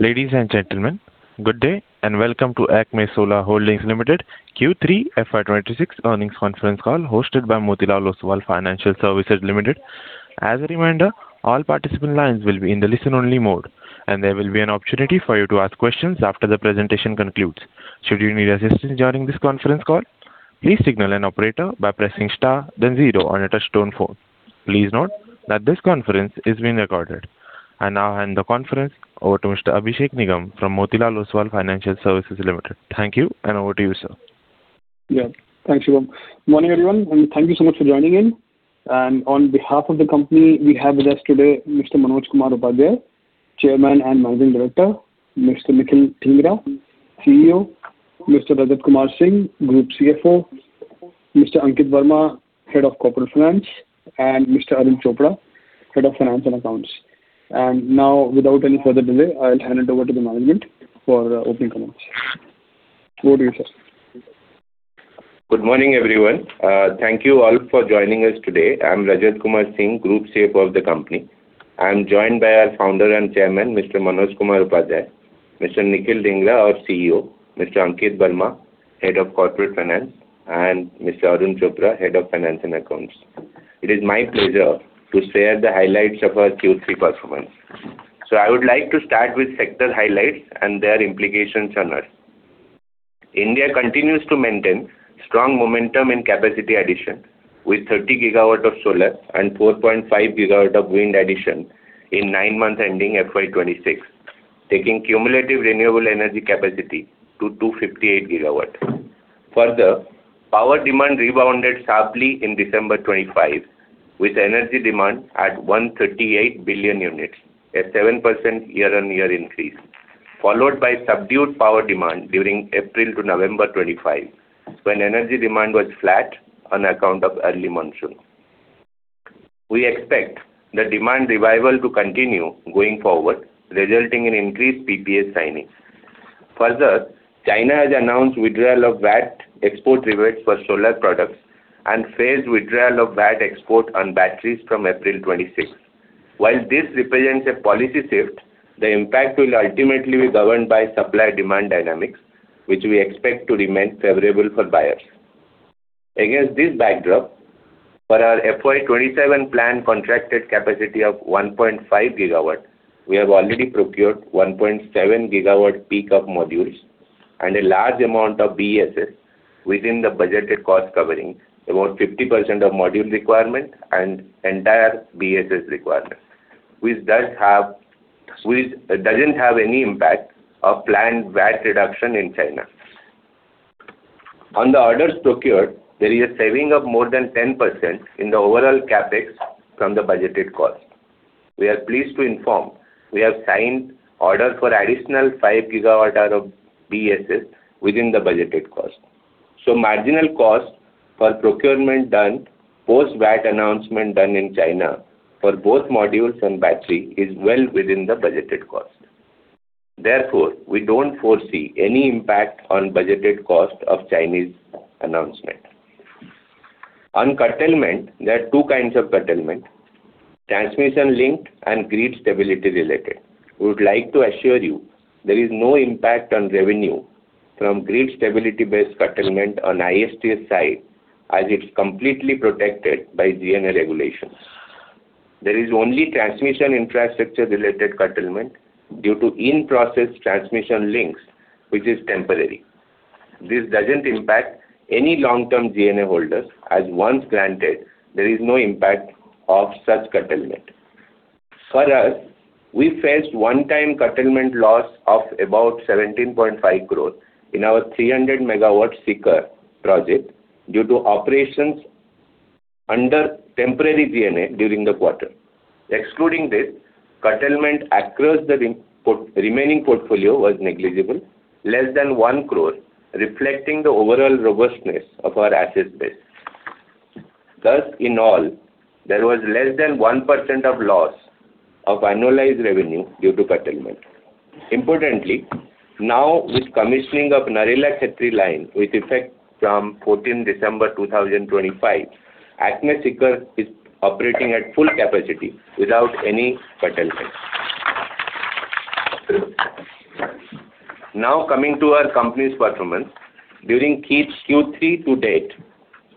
Ladies and gentlemen, good day, and welcome to Acme Solar Holdings Limited, Q3 FY 2026 earnings conference call, hosted by Motilal Oswal Financial Services Limited. As a reminder, all participant lines will be in the listen-only mode, and there will be an opportunity for you to ask questions after the presentation concludes. Should you need assistance during this conference call, please signal an operator by pressing star then zero on your touchtone phone. Please note that this conference is being recorded. I now hand the conference over to Mr. Abhishek Nigam from Motilal Oswal Financial Services Limited. Thank you, and over to you, sir. Yeah. Thank you. Morning, everyone, and thank you so much for joining in. And on behalf of the company, we have with us today Mr. Manoj Kumar Upadhyay, Chairman and Managing Director, Mr. Nikhil Dhingra, CEO, Mr. Rajat Kumar Singh, Group CFO, Mr. Ankit Verma, Head of Corporate Finance, and Mr. Arun Chopra, Head of Finance and Accounts. And now, without any further delay, I'll hand it over to the management for opening comments. Over to you, sir. Good morning, everyone. Thank you all for joining us today. I'm Rajat Kumar Singh, Group CFO of the company. I'm joined by our Founder and Chairman, Mr. Manoj Kumar Upadhyay, Mr. Nikhil Dhingra, our CEO, Mr. Ankit Verma, Head of Corporate Finance, and Mr. Arun Chopra, Head of Finance and Accounts. It is my pleasure to share the highlights of our Q3 performance. I would like to start with sector highlights and their implications on us. India continues to maintain strong momentum in capacity addition, with 30 GW of solar and 4.5 GW of wind addition in nine months ending FY 2026, taking cumulative renewable energy capacity to 258 GW. Further, power demand rebounded sharply in December 2025, with energy demand at 138 billion units, a 7% year-on-year increase, followed by subdued power demand during April to November 2025, when energy demand was flat on account of early monsoon. We expect the demand revival to continue going forward, resulting in increased PPA signings. Further, China has announced withdrawal of VAT export rebates for solar products and phased withdrawal of VAT export on batteries from April 2026. While this represents a policy shift, the impact will ultimately be governed by supply-demand dynamics, which we expect to remain favorable for buyers. Against this backdrop, for our FY 2027 plan contracted capacity of 1.5 GW, we have already procured 1.7 GW peak of modules and a large amount of BESS within the budgeted cost covering about 50% of module requirement and entire BESS requirement, which doesn't have any impact of planned VAT reduction in China. On the orders procured, there is a saving of more than 10% in the overall CapEx from the budgeted cost. We are pleased to inform we have signed orders for additional 5 GWh of BESS within the budgeted cost. So marginal cost for procurement done, post-VAT announcement done in China for both modules and battery, is well within the budgeted cost. Therefore, we don't foresee any impact on budgeted cost of Chinese announcement. On curtailment, there are two kinds of curtailment: transmission linked and grid stability related. We would like to assure you, there is no impact on revenue from grid stability-based curtailment on ISTS side, as it's completely protected by GNA regulations. There is only transmission infrastructure-related curtailment due to in-process transmission links, which is temporary. This doesn't impact any long-term GNA holders, as once granted, there is no impact of such curtailment. For us, we faced one-time curtailment loss of about 17.5 crore in our 300 MW Sikar project due to operations under temporary GNA during the quarter. Excluding this, curtailment across the remaining portfolio was negligible, less than 1 crore, reflecting the overall robustness of our asset base. Thus, in all, there was less than 1% of loss of annualized revenue due to curtailment. Importantly, now, with commissioning of Narela-Khetri line, with effect from 14th December 2025, Acme Sikar is operating at full capacity without any curtailment. Now, coming to our company's performance. During key Q3 to date,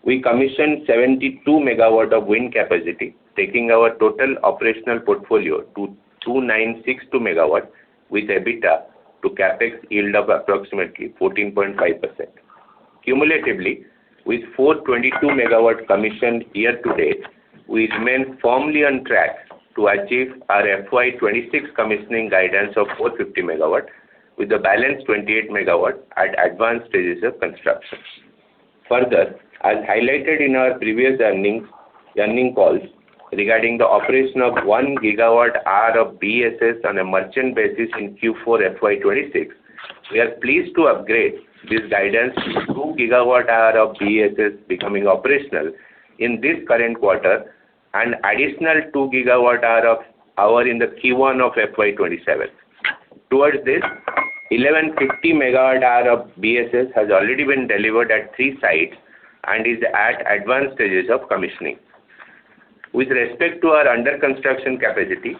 we commissioned 72 MW of wind capacity, taking our total operational portfolio to 2,962 MW, with EBITDA to CapEx yield of approximately 14.5%. Cumulatively, with 422 MW commissioned year to date, we remain firmly on track to achieve our FY 2026 commissioning guidance of 450 MW, with the balance 28 MW at advanced stages of construction. Further, as highlighted in our previous earnings, earnings calls regarding the operation of 1 GWh of BESS on a merchant basis in Q4 FY 2026, we are pleased to upgrade this guidance to 2 GWh of BESS becoming operational in this current quarter and additional 2 GWh of-- hour in the Q1 of FY 2027. Towards this, 1,150 MWh of BESS has already been delivered at three sites and is at advanced stages of commissioning. With respect to our under construction capacity,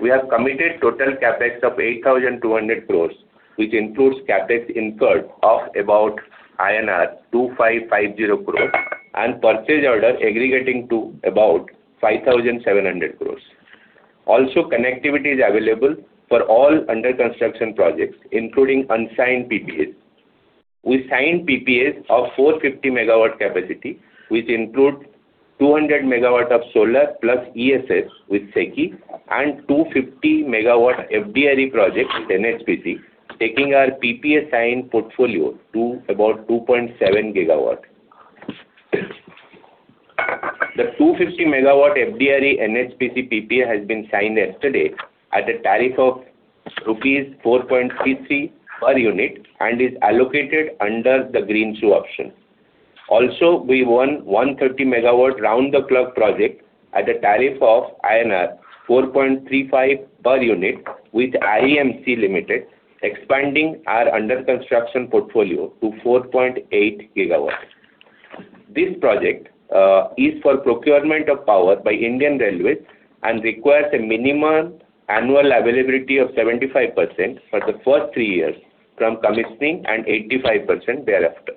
we have committed total CapEx of 8,200 crore, which includes CapEx incurred of about INR 2,550 crore, and purchase order aggregating to about 5,700 crore. Also, connectivity is available for all under construction projects, including unsigned PPAs. We signed PPAs of 450 MW capacity, which include 200 MW of solar plus ESS with SECI, and 250 MW FDRE project with NHPC, taking our PPA signed portfolio to about 2.7 GW. The 250 MW FDRE NHPC PPA has been signed yesterday at a tariff of rupees 4.33 per unit and is allocated under the Greenshoe option. Also, we won 130-megawatt round-the-clock project at a tariff of INR 4.35 per unit with REMC Limited, expanding our under construction portfolio to 4.8 GW. This project is for procurement of power by Indian Railways and requires a minimum annual availability of 75% for the first three years from commissioning, and 85% thereafter.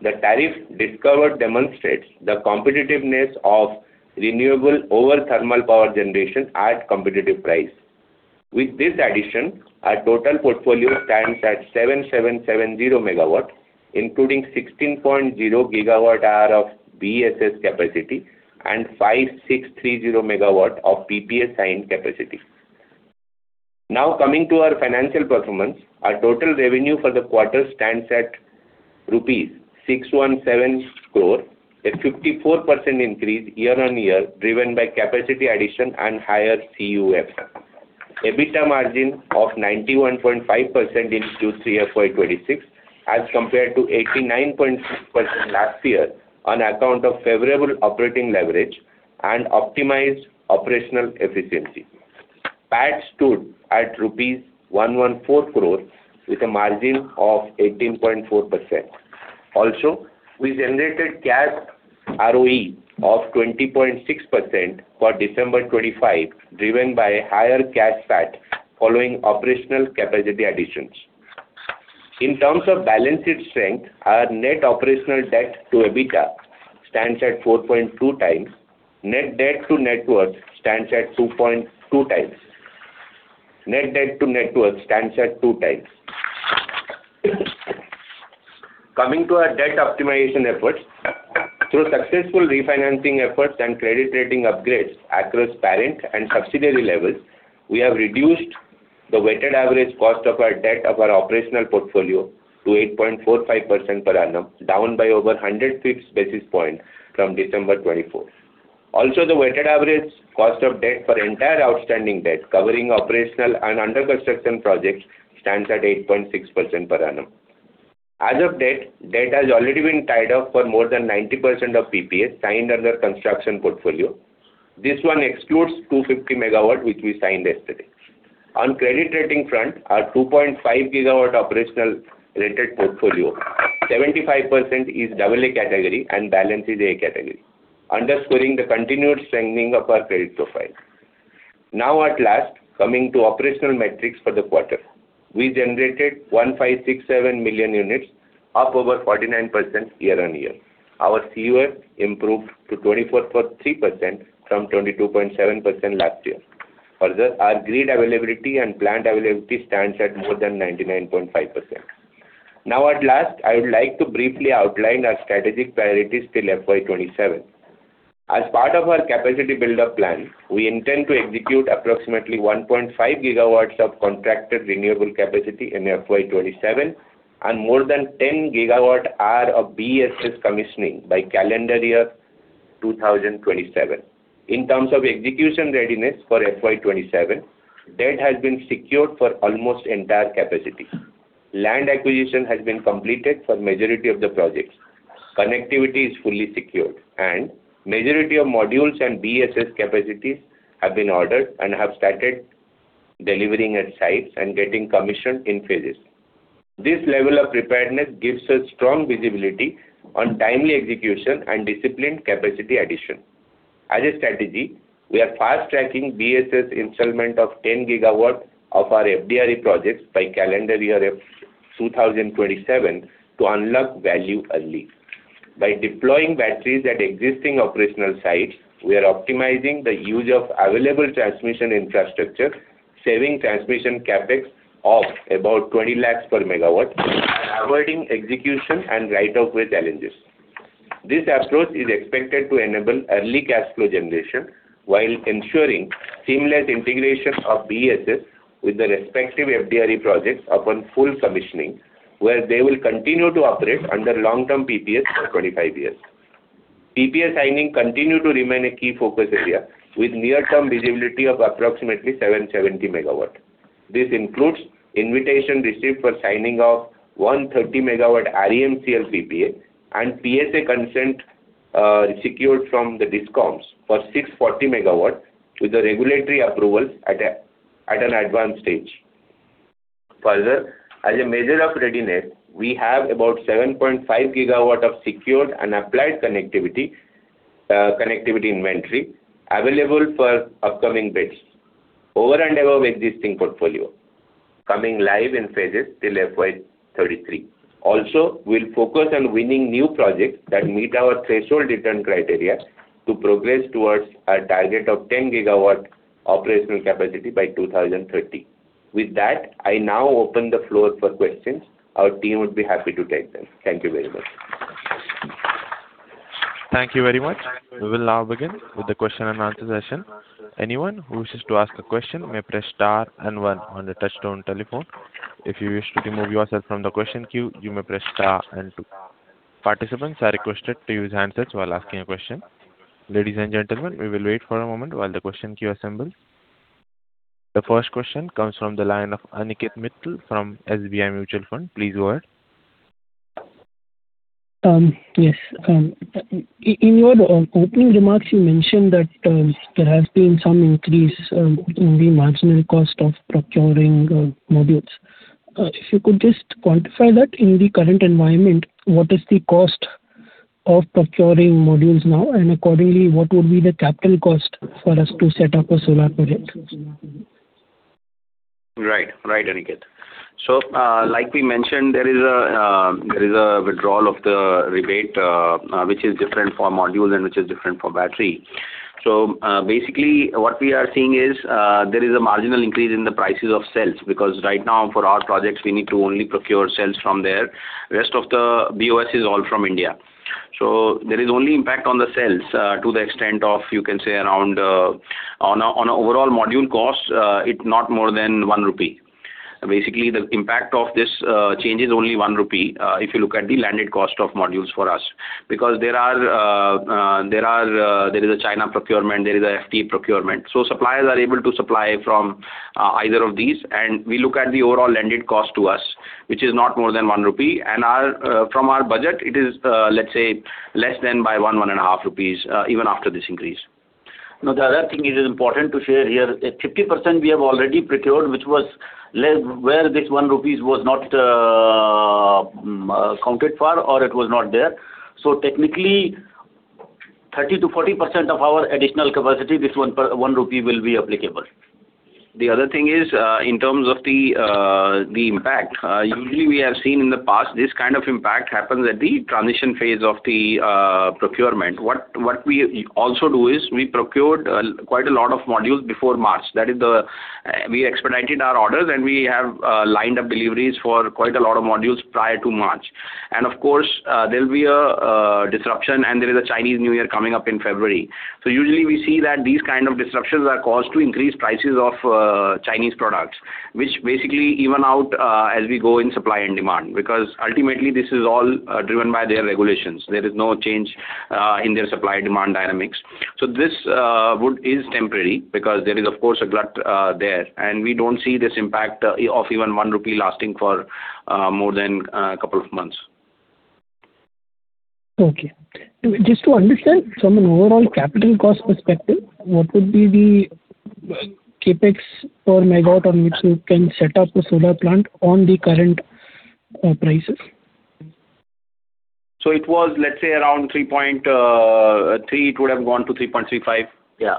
The tariff discovered demonstrates the competitiveness of renewable over thermal power generation at competitive price. With this addition, our total portfolio stands at 7,770 MW, including 16.0 GWh of BESS capacity and 5,630 MW of PPA signed capacity. Now, coming to our financial performance. Our total revenue for the quarter stands at rupees 617 crore, a 54% increase year-on-year, driven by capacity addition and higher CUF. EBITDA margin of 91.5% in Q3 FY 2026, as compared to 89.6% last year on account of favorable operating leverage and optimized operational efficiency. PAT stood at rupees 114 crores with a margin of 18.4%. Also, we generated cash ROE of 20.6% for December 2025, driven by higher cash PAT following operational capacity additions. In terms of balance sheet strength, our net operational debt to EBITDA stands at 4.2 times. Net debt to net worth stands at 2.2 times. Net debt to net worth stands at 2 times. Coming to our debt optimization efforts, through successful refinancing efforts and credit rating upgrades across parent and subsidiary levels, we have reduced the weighted average cost of our debt of our operational portfolio to 8.45% per annum, down by over 105 basis points from December 24, 2024. Also, the weighted average cost of debt for entire outstanding debt, covering operational and under construction projects, stands at 8.6% per annum. As of date, debt has already been tied up for more than 90% of PPAs signed under construction portfolio. This one excludes 250 MW, which we signed yesterday. On credit rating front, our 2.5 GW operational rated portfolio, 75% is double A category and balance is A category, underscoring the continued strengthening of our credit profile. Now, at last, coming to operational metrics for the quarter. We generated 1,567 million units, up over 49% year-on-year. Our CUF improved to 24.3% from 22.7% last year. Further, our grid availability and plant availability stands at more than 99.5%. Now, at last, I would like to briefly outline our strategic priorities till FY 2027. As part of our capacity build-up plan, we intend to execute approximately 1.5 GW of contracted renewable capacity in FY 2027, and more than 10 GWh of BESS commissioning by calendar year 2027. In terms of execution readiness for FY 2027, debt has been secured for almost entire capacity. Land acquisition has been completed for majority of the projects. Connectivity is fully secured, and majority of modules and BESS capacities have been ordered and have started delivering at sites and getting commissioned in phases. This level of preparedness gives us strong visibility on timely execution and disciplined capacity addition. As a strategy, we are fast-tracking BESS installation of 10 GW of our FDRE projects by calendar year 2027 to unlock value early. By deploying batteries at existing operational sites, we are optimizing the use of available transmission infrastructure, saving transmission CapEx of about 20 lakhs per MW, avoiding execution and right-of-way challenges. This approach is expected to enable early cash flow generation while ensuring seamless integration of BESS with the respective FDRE projects upon full commissioning, where they will continue to operate under long-term PPAs for 25 years. PPA signing continue to remain a key focus area, with near-term visibility of approximately 770 MW. This includes invitation received for signing of 130-megawatt REMCL PPA and PSA consent, secured from the DISCOMs for 640-megawatt, with the regulatory approvals at an advanced stage. Further, as a measure of readiness, we have about 7.5 GW of secured and applied connectivity inventory available for upcoming bids, over and above existing portfolio, coming live in phases till FY 2033. Also, we'll focus on winning new projects that meet our threshold return criteria to progress towards our target of 10 GW operational capacity by 2030. With that, I now open the floor for questions. Our team would be happy to take them. Thank you very much. Thank you very much. We will now begin with the question and answer session. Anyone who wishes to ask a question may press star and one on the touchtone telephone. If you wish to remove yourself from the question queue, you may press star and two. Participants are requested to use handsets while asking a question. Ladies and gentlemen, we will wait for a moment while the question queue assembles. The first question comes from the line of Ankit Mittal from SBI Mutual Fund. Please go ahead. Yes. In your opening remarks, you mentioned that there has been some increase in the marginal cost of procuring modules. If you could just quantify that in the current environment, what is the cost of procuring modules now? And accordingly, what would be the capital cost for us to set up a solar project? Right. Right, Ankit. So, like we mentioned, there is a withdrawal of the rebate, which is different for module and which is different for battery. So, basically, what we are seeing is, there is a marginal increase in the prices of cells, because right now, for our projects, we need to only procure cells from there. Rest of the BOS is all from India. So there is only impact on the cells, to the extent of, you can say, around. On a, on a overall module cost, it not more than 1 rupee. Basically, the impact of this change is only 1 rupee, if you look at the landed cost of modules for us. Because there are, there are, there is a China procurement, there is a FTA procurement. So suppliers are able to supply from, either of these, and we look at the overall landed cost to us, which is not more than 1 rupee. And our, from our budget, it is, let's say, less than by 1-1.5 rupees, even after this increase. Now, the other thing it is important to share here is 50% we have already procured, which was where this 1 rupees was not counted for or it was not there. So technically, 30%-40% of our additional capacity, this one per, 1 rupee will be applicable. The other thing is, in terms of the impact, usually we have seen in the past, this kind of impact happens at the transition phase of the procurement. What we also do is, we procured quite a lot of modules before March. That is, we expedited our orders, and we have lined up deliveries for quite a lot of modules prior to March. And of course, there will be a disruption, and there is a Chinese New Year coming up in February. So usually we see that these kind of disruptions are caused to increase prices of Chinese products, which basically even out as we go in supply and demand, because ultimately this is all driven by their regulations. There is no change in their supply-demand dynamics. So this is temporary because there is, of course, a glut there, and we don't see this impact of even 1 rupee lasting for more than a couple of months. Okay. Just to understand, from an overall capital cost perspective, what would be the CapEx per megawatt on which you can set up a solar plant on the current prices? It was, let's say, around 3.3. It would have gone to 3.35. Yeah.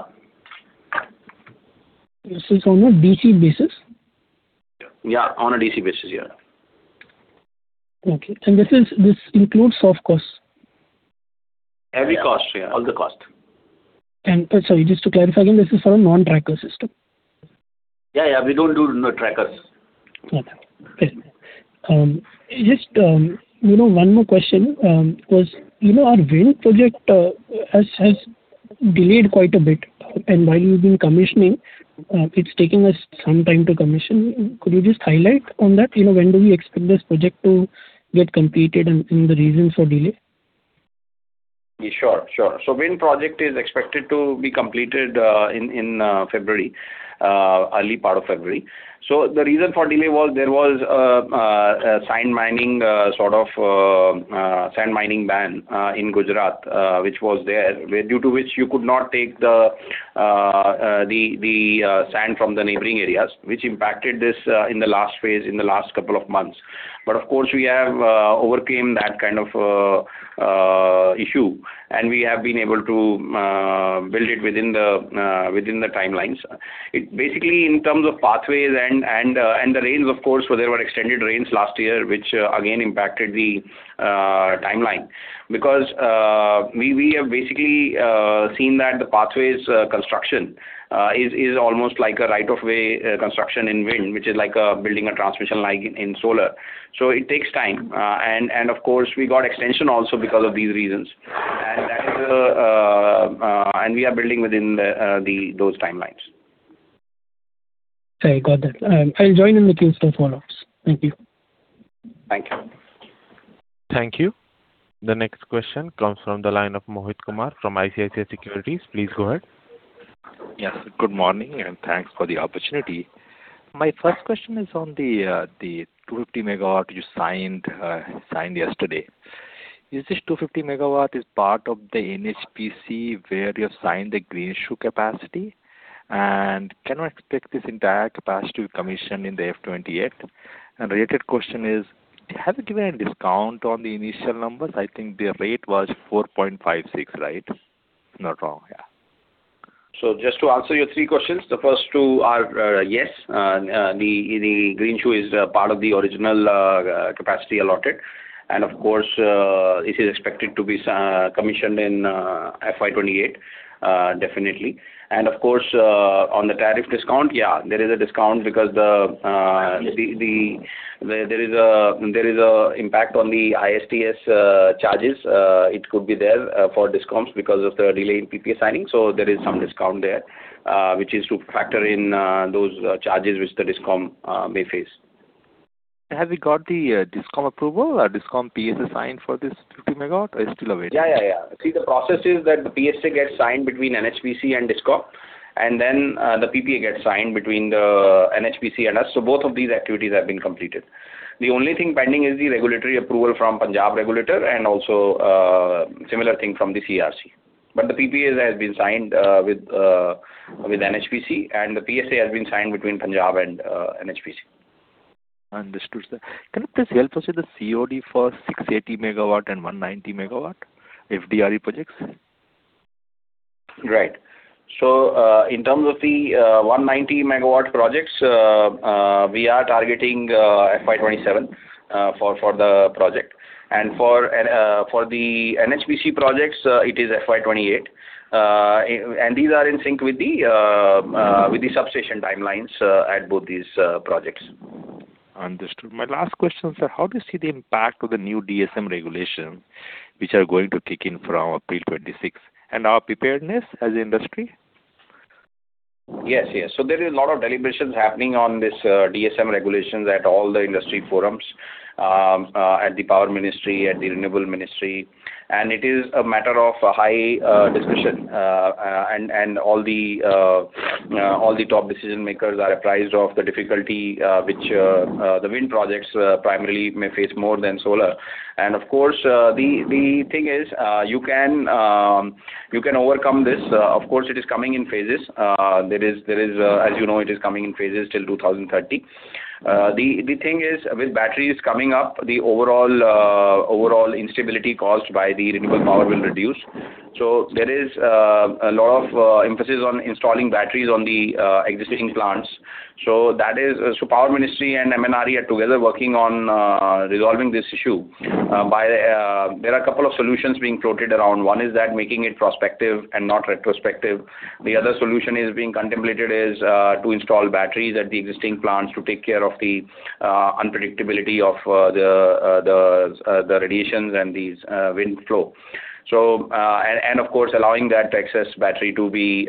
This is on a DC basis? Yeah, on a DC basis, yeah. Okay. This is, this includes soft costs? Every cost, yeah. All the cost. Sorry, just to clarify again, this is for a non-tracker system? Yeah, yeah, we don't do no trackers. Okay. Just, you know, one more question, you know, our wind project has delayed quite a bit. And while we've been commissioning, it's taking us some time to commission. Could you just highlight on that? You know, when do we expect this project to get completed and the reasons for delay? Yeah, sure, sure. So wind project is expected to be completed in early part of February. So the reason for delay was there was a sand mining sort of sand mining ban in Gujarat, which was there, where due to which you could not take the sand from the neighboring areas, which impacted this in the last phase, in the last couple of months. But of course, we have overcame that kind of issue, and we have been able to build it within the timelines. It basically, in terms of pathways and the rains, of course, where there were extended rains last year, which again, impacted the timeline. Because we have basically seen that the pathways construction is almost like a right of way construction in wind, which is like building a transmission line in solar. So it takes time, and of course, we got extension also because of these reasons. And that is, and we are building within the those timelines. I got that. I'll join in the queue for follow-ups. Thank you. Thank you. Thank you. The next question comes from the line of Mohit Kumar, from ICICI Securities. Please go ahead. Yes, good morning, and thanks for the opportunity. My first question is on the 250 MW you signed, signed yesterday. Is this 250 MW part of the NHPC, where you have signed the Greenshoe capacity? And can we expect this entire capacity commission in the FY 2028? And related question is, have you given a discount on the initial numbers? I think the rate was 4.56, right? If not wrong, yeah. So just to answer your three questions, the first two are, yes. The Greenshoe is part of the original capacity allotted. And of course, this is expected to be commissioned in FY 2028, definitely. And of course, on the tariff discount, yeah, there is a discount because there is an impact on the ISTS charges. It could be there for discounts because of the delay in PPA signing. So there is some discount there, which is to factor in those charges which the DISCOM may face. Have you got the DISCOM approval or DISCOM PSA signed for this 50 MW, or it's still awaiting? Yeah, yeah, yeah. See, the process is that the PSA gets signed between NHPC and DISCOM, and then, the PPA gets signed between the NHPC and us. So both of these activities have been completed. The only thing pending is the regulatory approval from Punjab Regulator and also, similar thing from the CERC. But the PPA has been signed, with NHPC, and the PSA has been signed between Punjab and NHPC. Understood, sir. Can you please help us with the COD for 680 MW and 190 MW FDRE projects? Right. So, in terms of the 190 MW projects, we are targeting FY 2027 for the project. And for the NHPC projects, it is FY 2028. And these are in sync with the substation timelines at both these projects. Understood. My last question, sir: How do you see the impact of the new DSM regulation, which are going to kick in from April twenty-sixth, and our preparedness as an industry? Yes, yes. So there is a lot of deliberations happening on this, DSM regulations at all the industry forums, at the Power Ministry, at the Renewable Ministry. It is a matter of high discussion, and all the top decision makers are apprised of the difficulty which the wind projects primarily may face more than solar. Of course, the thing is, you can overcome this. Of course, it is coming in phases. There is, as you know, it is coming in phases till 2030. The thing is, with batteries coming up, the overall instability caused by the renewable power will reduce. So there is a lot of emphasis on installing batteries on the existing plants. So that is. So Power Ministry and MNRE are together working on resolving this issue by. There are a couple of solutions being floated around. One is that making it prospective and not retrospective. The other solution is being contemplated is to install batteries at the existing plants to take care of the unpredictability of the radiations and these wind flow. So, and of course, allowing that excess battery to be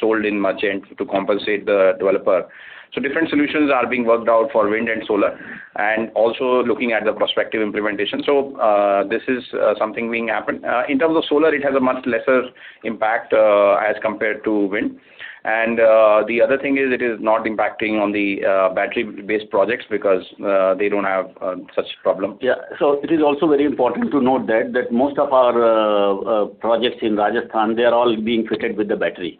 sold in merchant to compensate the developer. So different solutions are being worked out for wind and solar, and also looking at the prospective implementation. So, this is something being happened. In terms of solar, it has a much lesser impact as compared to wind. The other thing is, it is not impacting on the battery-based projects because they don't have such problem. Yeah. So it is also very important to note that most of our projects in Rajasthan, they are all being fitted with the battery.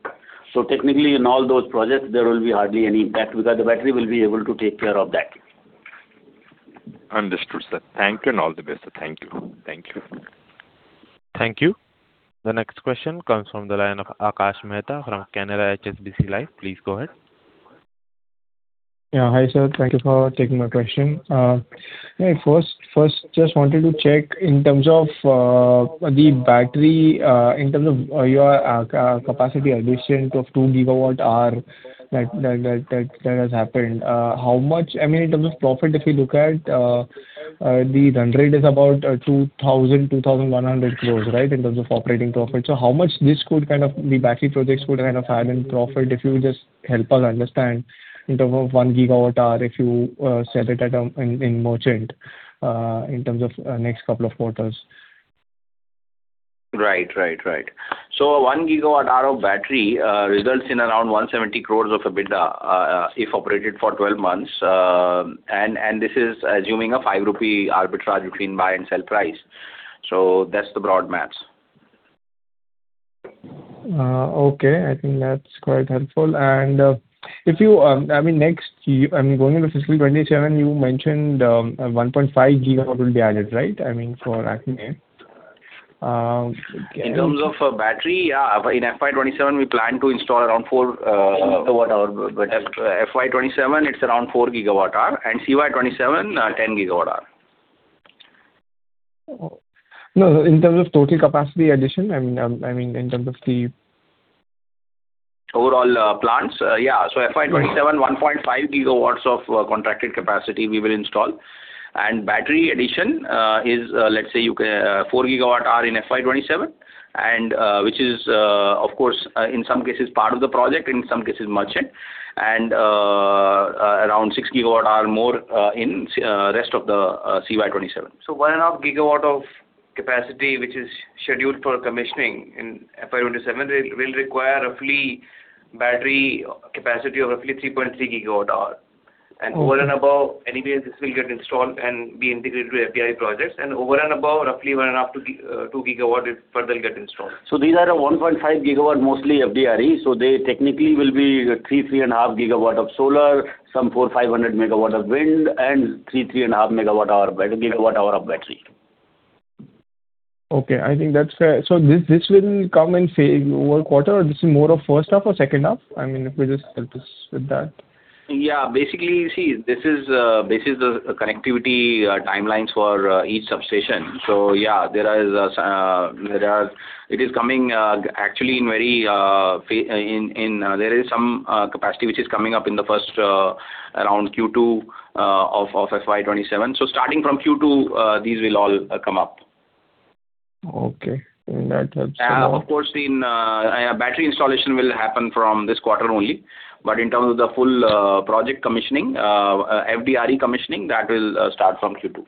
So technically, in all those projects, there will be hardly any impact, because the battery will be able to take care of that. Understood, sir. Thank you, and all the best. Thank you. Thank you. Thank you. The next question comes from the line of Akash Mehta from Canara HSBC Life. Please go ahead. Yeah. Hi, sir. Thank you for taking my question. Yeah, first, just wanted to check in terms of the battery, in terms of your capacity addition of 2 GWh that has happened, how much... I mean, in terms of profit, if you look at the run rate is about 2,100 crore, right, in terms of operating profit. So how much this could kind of, the battery projects could kind of add in profit? If you would just help us understand in terms of 1 GWh, if you sell it at a-- in, in merchant, in terms of next couple of quarters. Right. Right, right. So 1 GWh of battery results in around 170 crores of EBITDA, if operated for 12 months. And this is assuming an 5 rupee arbitrage between buy and sell price. So that's the broad maths. Okay. I think that's quite helpful. If you, I mean, next, going into fiscal 2027, you mentioned 1.5 GW will be added, right? I mean, for Acme, can- In terms of battery, in FY 2027, we plan to install around four gigawatt hour. But FY 2027, it's around four gigawatt hour, and CY 2027, 10 GWh. No, in terms of total capacity addition, I mean, I mean, in terms of the- Overall, plants? Yeah. Mm-hmm. So FY 2027, 1.5 GW of contracted capacity we will install. And battery addition is, let's say, you can 4 GWh in FY 2027, and which is, of course, in some cases, part of the project, in some cases, merchant. And around 6 GWh more in rest of the CY 2027. So 1.5 GW of capacity, which is scheduled for commissioning in FY 2027, will require roughly battery capacity of roughly 3.3 GWh? And over and above, anyways, this will get installed and be integrated to API projects, and over and above, roughly 1.5-2, 2 GW it further will get installed. These are a 1.5 GW, mostly FDRE, so they technically will be 3-3.5 GW of solar, some 400-500 MW of wind, and 3-3.5 MWh, GWh of battery. Okay, I think that's fair. So this, this will come in, say, over quarter, or this is more of first half or second half? I mean, if you just help us with that. Yeah, basically, see, this is, this is the connectivity timelines for each substation. So yeah, there is, there are-- it is coming, actually in very, In, in, there is some capacity which is coming up in the first, around Q2, of, of FY 27. So starting from Q2, these will all come up. Okay, that helps a lot. Of course, battery installation will happen from this quarter only. But in terms of the full project commissioning, FDRE commissioning, that will start from Q2.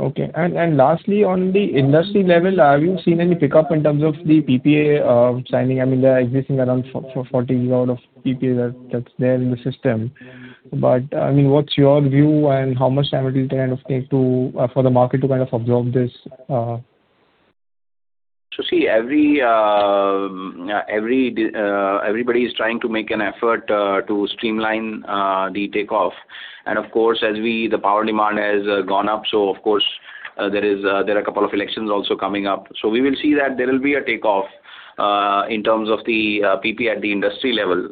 Okay. And lastly, on the industry level, have you seen any pickup in terms of the PPA signing? I mean, they are existing around for 40 GW of PPA that's there in the system. But, I mean, what's your view, and how much time it will kind of take to for the market to kind of absorb this? So, see, every, everybody is trying to make an effort, to streamline, the takeoff. And of course, as we the power demand has gone up, so of course, there are a couple of elections also coming up. So we will see that there will be a takeoff, in terms of the PPA at the industry level.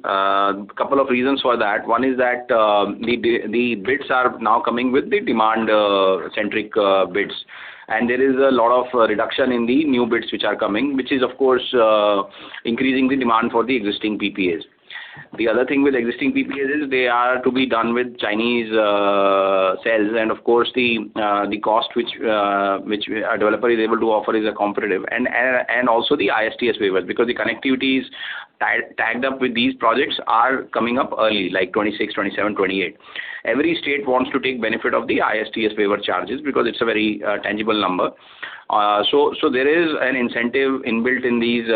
Couple of reasons for that. One is that, the bids are now coming with the demand centric bids. And there is a lot of reduction in the new bids which are coming, which is, of course, increasing the demand for the existing PPAs. The other thing with existing PPAs is they are to be done with Chinese cells. And of course, the cost which a developer is able to offer is competitive. And also the ISTS waivers, because the connectivities tied up with these projects are coming up early, like 2026, 2027, 2028. Every state wants to take benefit of the ISTS waiver charges because it's a very tangible number. So there is an incentive inbuilt in these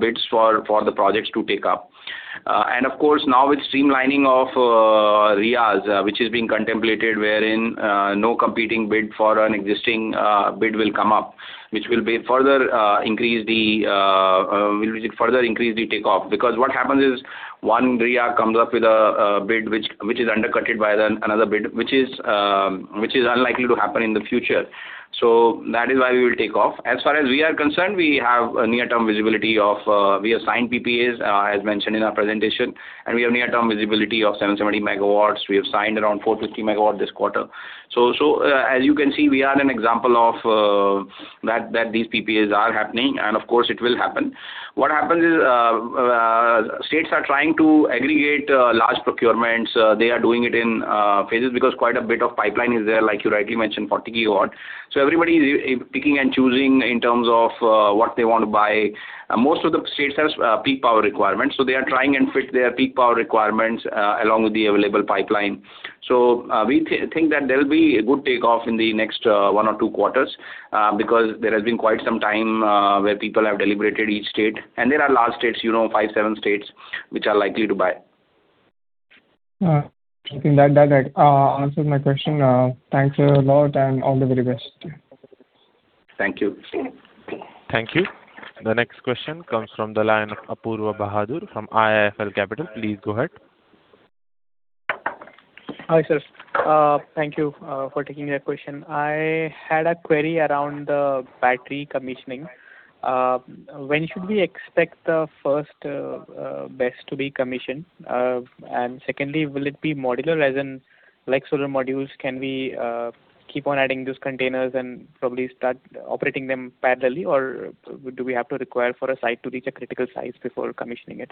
bids for the projects to take up. And of course, now with streamlining of RIAs, which is being contemplated, wherein no competing bid for an existing bid will come up, which will further increase the takeoff. Because what happens is, one RIA comes up with a bid which is undercutting the other bid, which is unlikely to happen in the future. So that is why we will take off. As far as we are concerned, we have a near-term visibility of, we have signed PPAs, as mentioned in our presentation, and we have near-term visibility of 770 MW. We have signed around 450 MW this quarter. So, as you can see, we are an example of, that these PPAs are happening, and of course, it will happen. What happens is, states are trying to aggregate large procurements. They are doing it in phases because quite a bit of pipeline is there, like you rightly mentioned, 40 GW. So everybody is picking and choosing in terms of what they want to buy. Most of the states has peak power requirements, so they are trying and fit their peak power requirements along with the available pipeline. So we think that there will be a good takeoff in the next one or two quarters because there has been quite some time where people have deliberated each state. And there are large states, you know, five, seven states, which are likely to buy. I think that answers my question. Thank you a lot, and all the very best. Thank you. Thank you. The next question comes from the line of Apoorva Bahadur from IIFL Capital. Please go ahead. Hi, sir. Thank you for taking my question. I had a query around the battery commissioning. When should we expect the first BESS to be commissioned? And secondly, will it be modular, as in, like solar modules, can we keep on adding these containers and probably start operating them parallelly, or do we have to require for a site to reach a critical size before commissioning it?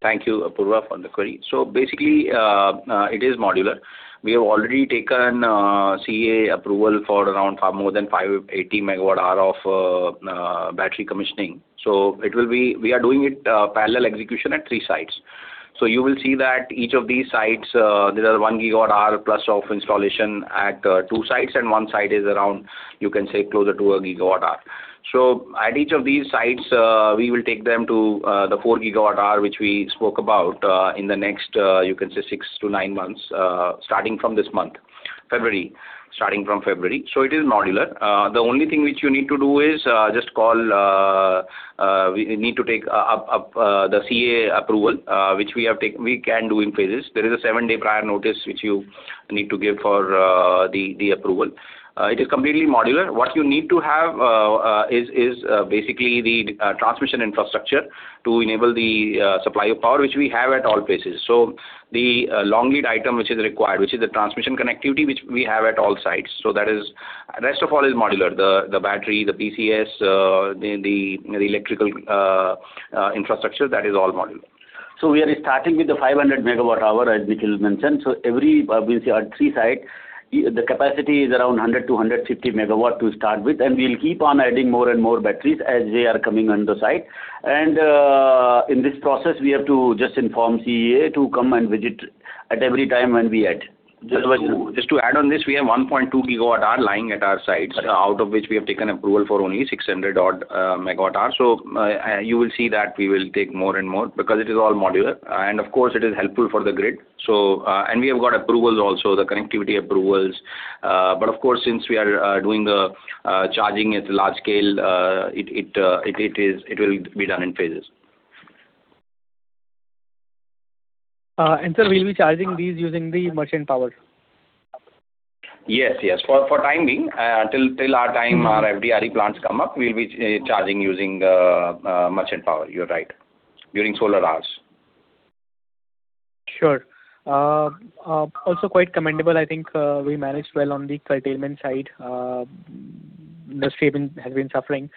Thank you, Apurva, for the query. So basically, it is modular. We have already taken CEA approval for around far more than 580 MWh of battery commissioning. So it will be. We are doing it parallel execution at three sites. So you will see that each of these sites, there are 1 GWh plus of installation at two sites, and one site is around, you can say, closer to a GWh. So at each of these sites, we will take them to the 4 GWh, which we spoke about in the next, you can say, 6-9 months, starting from this month, February. Starting from February. So it is modular. The only thing which you need to do is just call, we need to take up the CEA approval, which we have taken-- we can do in phases. There is a 7-day prior notice which you need to give for the approval. It is completely modular. What you need to have is basically the transmission infrastructure to enable the supply of power, which we have at all places. So the long lead item, which is required, which is the transmission connectivity, which we have at all sites. So that is... Rest of all is modular. The battery, the PCS, the electrical infrastructure, that is all modular. So we are starting with the 500 MWh, as Nikhil mentioned. So every, we say our three sites, the capacity is around 100-150 MW to start with, and we'll keep on adding more and more batteries as they are coming on the site. And, in this process, we have to just inform CEA to come and visit every time when we add.... Just to add on this, we have 1.2 GWh lying at our sites, out of which we have taken approval for only 600-odd MWh. So, you will see that we will take more and more, because it is all modular. And of course it is helpful for the grid. So, and we have got approvals also, the connectivity approvals. But of course, since we are doing the charging at large scale, it will be done in phases. Sir, we'll be charging these using the merchant power? Yes, yes. For the time being, till our FDRE plants come up, we'll be charging using merchant power, you're right. During solar hours. Sure. Also quite commendable, I think, we managed well on the curtailment side. The state has been, has been suffering.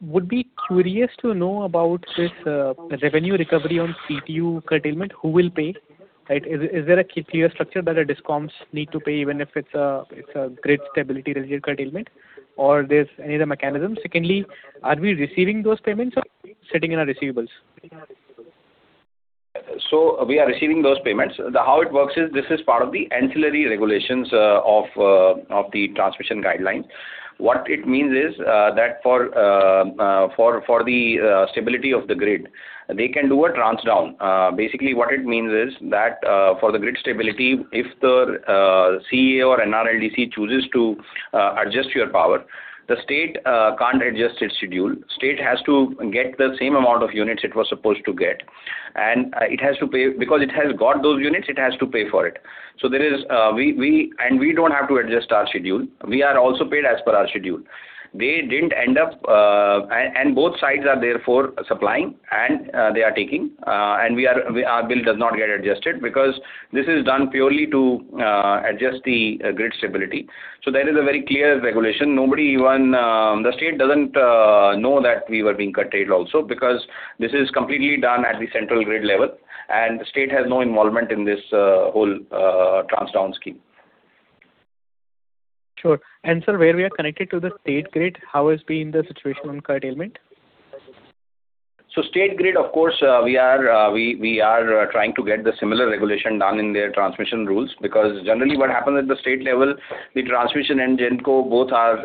Would be curious to know about this revenue recovery on CUF curtailment. Who will pay? Right. Is, is there a clear structure that the DISCOMs need to pay, even if it's a, it's a grid stability-related curtailment, or there's any other mechanism? Secondly, are we receiving those payments or sitting in our receivables? So we are receiving those payments. The way it works is, this is part of the ancillary regulations of the transmission guidelines. What it means is that for the stability of the grid, they can do a turn down. Basically, what it means is that for the grid stability, if the CEA or NRLDC chooses to adjust your power, the state can't adjust its schedule. State has to get the same amount of units it was supposed to get, and it has to pay. Because it has got those units, it has to pay for it. So there is, and we don't have to adjust our schedule. We are also paid as per our schedule. They didn't end up and both sides are therefore supplying, and they are taking, and we are, our bill does not get adjusted, because this is done purely to adjust the grid stability. So there is a very clear regulation. Nobody, even the state doesn't know that we were being curtailed also, because this is completely done at the central grid level, and the state has no involvement in this whole transmission scheme. Sure. Sir, where we are connected to the state grid, how has been the situation on curtailment? So state grid, of course, we are trying to get the similar regulation done in their transmission rules, because generally what happens at the state level, the transmission and Genco both are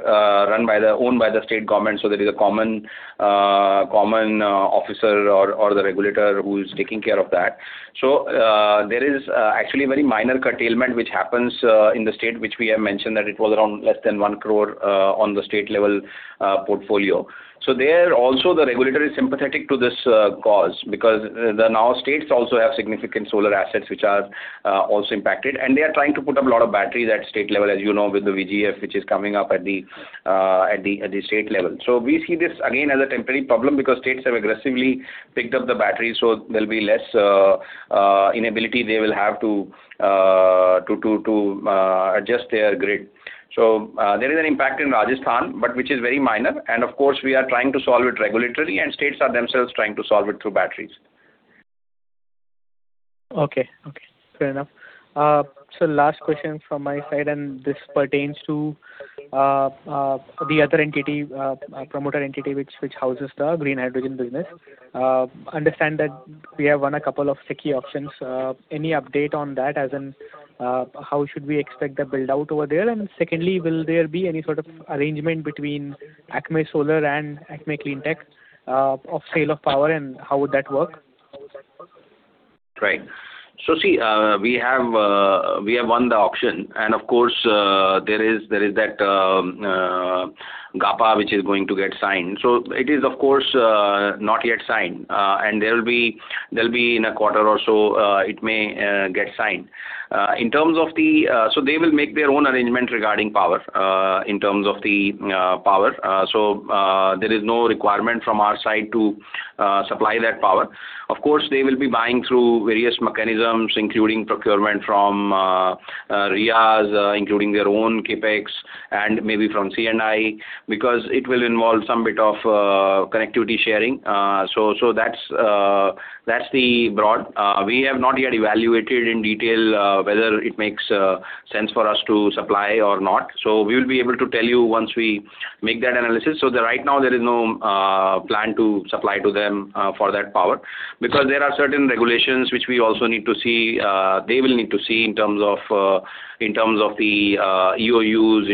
run by the owned by the state government, so there is a common officer or the regulator who is taking care of that. So there is actually a very minor curtailment which happens in the state, which we have mentioned, that it was around less than 1 crore on the state level portfolio. So there also, the regulator is sympathetic to this cause, because now states also have significant solar assets which are also impacted, and they are trying to put up a lot of batteries at state level, as you know, with the VGF, which is coming up at the state level. So we see this again, as a temporary problem, because states have aggressively picked up the batteries, so there'll be less inability they will have to adjust their grid. So there is an impact in Rajasthan, but which is very minor, and of course, we are trying to solve it regulatory, and states are themselves trying to solve it through batteries. Okay. Okay, fair enough. So last question from my side, and this pertains to the other entity, promoter entity, which houses the green hydrogen business. Understand that we have won a couple of sticky auctions. Any update on that, as in, how should we expect the build-out over there? And secondly, will there be any sort of arrangement between Acme Solar and Acme Cleantech, of sale of power, and how would that work? Right. So see, we have, we have won the auction. And of course, there is, there is that PPA, which is going to get signed. So it is, of course, not yet signed. And there will be, there'll be in a quarter or so, it may get signed. In terms of the... So they will make their own arrangement regarding power, in terms of the power. So, there is no requirement from our side to supply that power. Of course, they will be buying through various mechanisms, including procurement from RIAs, including their own CapEx, and maybe from C&I, because it will involve some bit of connectivity sharing. So, that's the broad. We have not yet evaluated in detail whether it makes sense for us to supply or not, so we will be able to tell you once we make that analysis. So right now, there is no plan to supply to them for that power. Because there are certain regulations which we also need to see, they will need to see in terms of, in terms of the EOUs,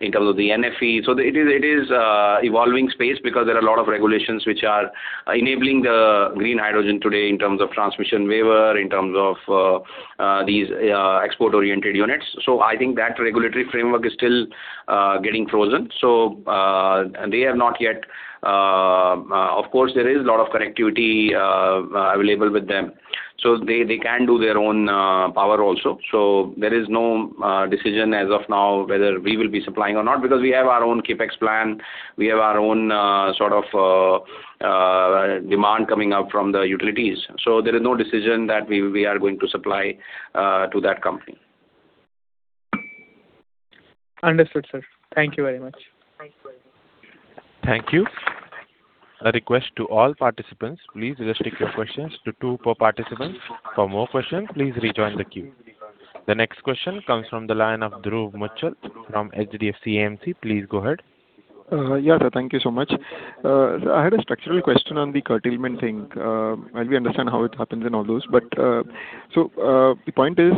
in terms of the NFE. So it is an evolving space, because there are a lot of regulations which are enabling the green hydrogen today in terms of transmission waiver, in terms of these export-oriented units. So I think that regulatory framework is still getting frozen. So they have not yet... Of course, there is a lot of connectivity available with them, so they can do their own power also. So there is no decision as of now whether we will be supplying or not, because we have our own CapEx plan, we have our own sort of demand coming out from the utilities. So there is no decision that we are going to supply to that company. Understood, sir. Thank you very much. Thank you. A request to all participants, please restrict your questions to two per participant. For more questions, please rejoin the queue. The next question comes from the line of Dhruv Muchhal from HDFC AMC. Please go ahead. Yeah, thank you so much. I had a structural question on the curtailment thing. As we understand how it happens and all those, but, so, the point is,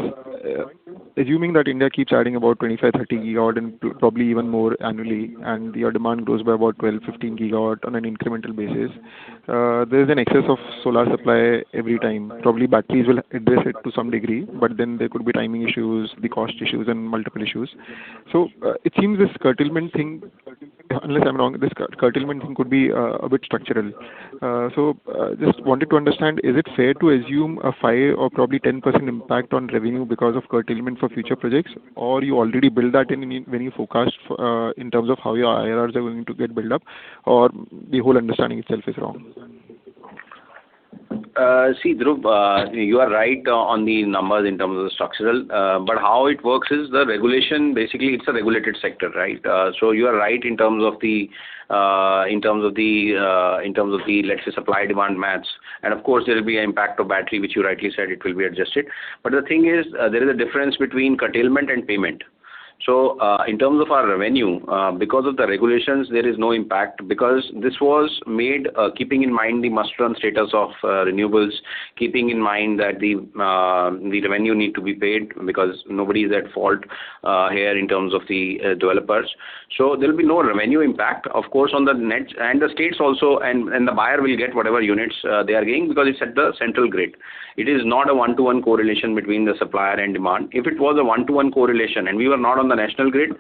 assuming that India keeps adding about 25-30 GW and probably even more annually, and your demand grows by about 12-15 GW on an incremental basis, there is an excess of solar supply every time. Probably batteries will address it to some degree, but then there could be timing issues, the cost issues and multiple issues. So, it seems this curtailment thing, unless I'm wrong, this curtailment thing could be a bit structural. So, just wanted to understand, is it fair to assume a 5% or probably 10% impact on revenue because of curtailment for future projects? Or you already build that in when you forecast, in terms of how your IRRs are going to get built up, or the whole understanding itself is wrong? See, Dhruv, you are right on the numbers in terms of the structural, but how it works is the regulation. Basically, it's a regulated sector, right? So you are right in terms of the, let's say, supply-demand match. And of course, there will be an impact of battery, which you rightly said, it will be adjusted. But the thing is, there is a difference between curtailment and payment. So, in terms of our revenue, because of the regulations, there is no impact, because this was made, keeping in mind the must-run status of renewables, keeping in mind that the revenue need to be paid because nobody is at fault, here in terms of the developers. So there will be no revenue impact, of course, on the net. And the states also, the buyer will get whatever units they are getting, because it's at the central grid. It is not a one-to-one correlation between the supplier and demand. If it was a one-to-one correlation, and we were not on the national grid,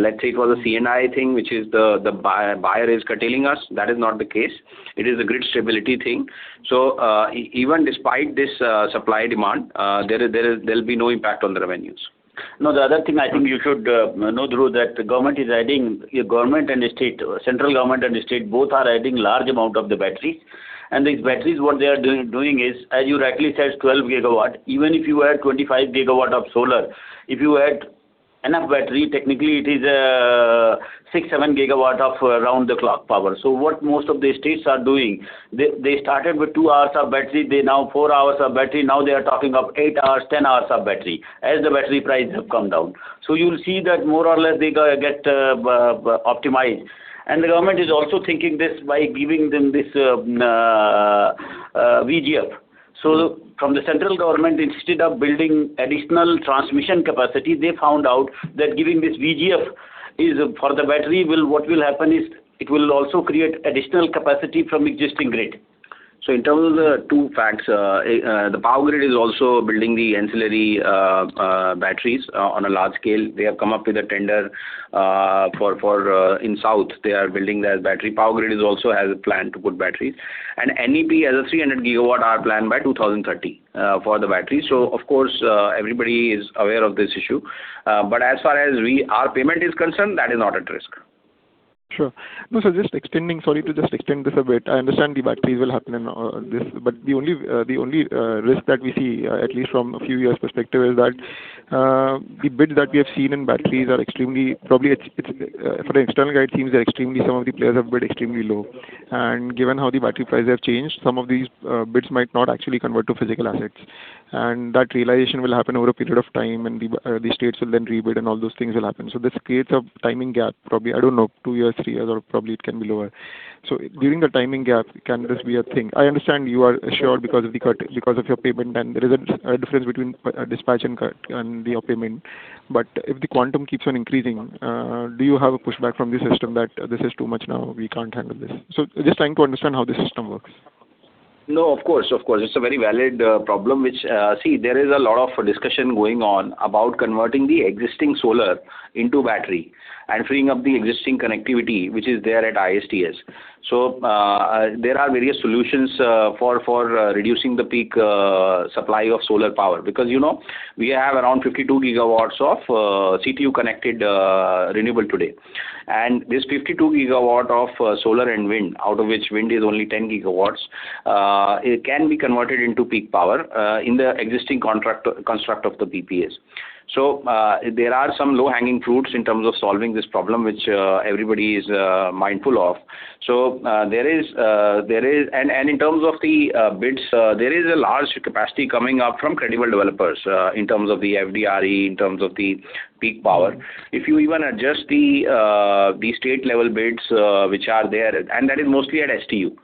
let's say it was a C&I thing, which is the buyer is curtailing us, that is not the case. It is a grid stability thing. So, even despite this, supply, demand, there'll be no impact on the revenues. No, the other thing I think you should know, Dhruv, that the government is adding, government and the state, central government and the state both are adding large amount of the battery. And these batteries, what they are doing is, as you rightly said, 12 GW. Even if you add 25 GW of solar, if you add enough battery, technically it is 6, 7 GW of around-the-clock power. So what most of the states are doing, they started with 2 hours of battery, they now 4 hours of battery, now they are talking of 8 hours, 10 hours of battery, as the battery prices have come down. So you will see that more or less, they go get optimized. And the government is also thinking this by giving them this VGF. So from the central government, instead of building additional transmission capacity, they found out that giving this VGF is for the battery. What will happen is, it will also create additional capacity from existing grid. In terms of the two facts, the Power Grid is also building the ancillary batteries on a large scale. They have come up with a tender for in South, they are building their battery. Power Grid is also has a plan to put batteries. NEP has a 300 GW hour plan by 2030 for the battery. Of course, everybody is aware of this issue. But as far as we, our payment is concerned, that is not at risk. Sure. No, so just extending, sorry to just extend this a bit. I understand the batteries will happen in this, but the only risk that we see, at least from a few years perspective, is that the bids that we have seen in batteries are extremely, probably it's for an external guide, seems extremely some of the players have bid extremely low. And given how the battery prices have changed, some of these bids might not actually convert to physical assets. And that realization will happen over a period of time, and the states will then rebid and all those things will happen. So this creates a timing gap, probably, I don't know, 2 years, 3 years, or probably it can be lower. So during the timing gap, can this be a thing? I understand you are assured because of the cut, because of your payment, and there is a difference between a dispatch and cut and your payment. But if the quantum keeps on increasing, do you have a pushback from the system that this is too much now, we can't handle this? So just trying to understand how the system works. No, of course, of course. It's a very valid problem, which, see, there is a lot of discussion going on about converting the existing solar into battery and freeing up the existing connectivity, which is there at ISTS. So, there are various solutions for reducing the peak supply of solar power, because, you know, we have around 52 GW of CTU-connected renewable today. And this 52 GW of solar and wind, out of which wind is only 10 GW, it can be converted into peak power in the existing contract construct of the PPAs. So, there are some low-hanging fruits in terms of solving this problem, which everybody is mindful of. So, there is—and in terms of the bids, there is a large capacity coming up from credible developers, in terms of the FDRE, in terms of the peak power. If you even adjust the state-level bids, which are there, and that is mostly at STU.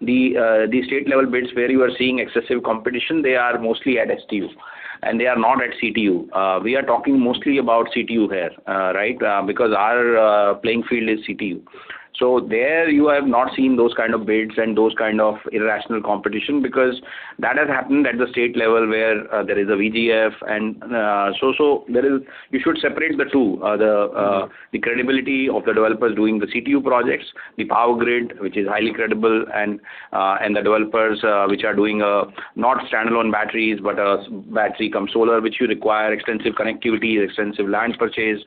The state-level bids where you are seeing excessive competition, they are mostly at STU, and they are not at CTU. We are talking mostly about CTU here, right? Because our playing field is CTU. So there, you have not seen those kind of bids and those kind of irrational competition, because that has happened at the state level, where there is a VGF. And so there is... You should separate the two, the credibility of the developers doing the CTU projects, the Power Grid, which is highly credible, and the developers, which are doing not standalone batteries, but battery cum solar, which you require extensive connectivity, extensive lands purchase.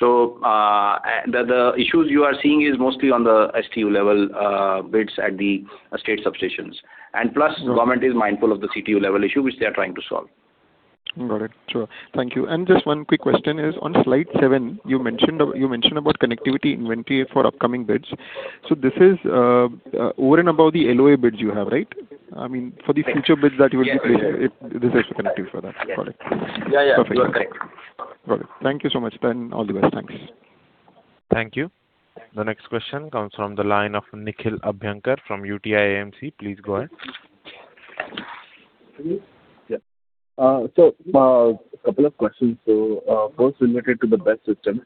So, and the issues you are seeing is mostly on the STU level, bids at the state substations. And plus, the government is mindful of the CTU level issue, which they are trying to solve. Got it. Sure. Thank you. And just one quick question is on slide seven, you mentioned about connectivity inventory for upcoming bids. So this is over and above the LOA bids you have, right? I mean, for the future bids that you will be creating, this is connectivity for that. Got it. Yeah, yeah. Perfect. Got it. Thank you so much, then. All the best. Thanks. Thank you. The next question comes from the line of Nikhil Abhyankar from UTI AMC. Please go ahead. Yeah. So, a couple of questions. So, first related to the BESS system.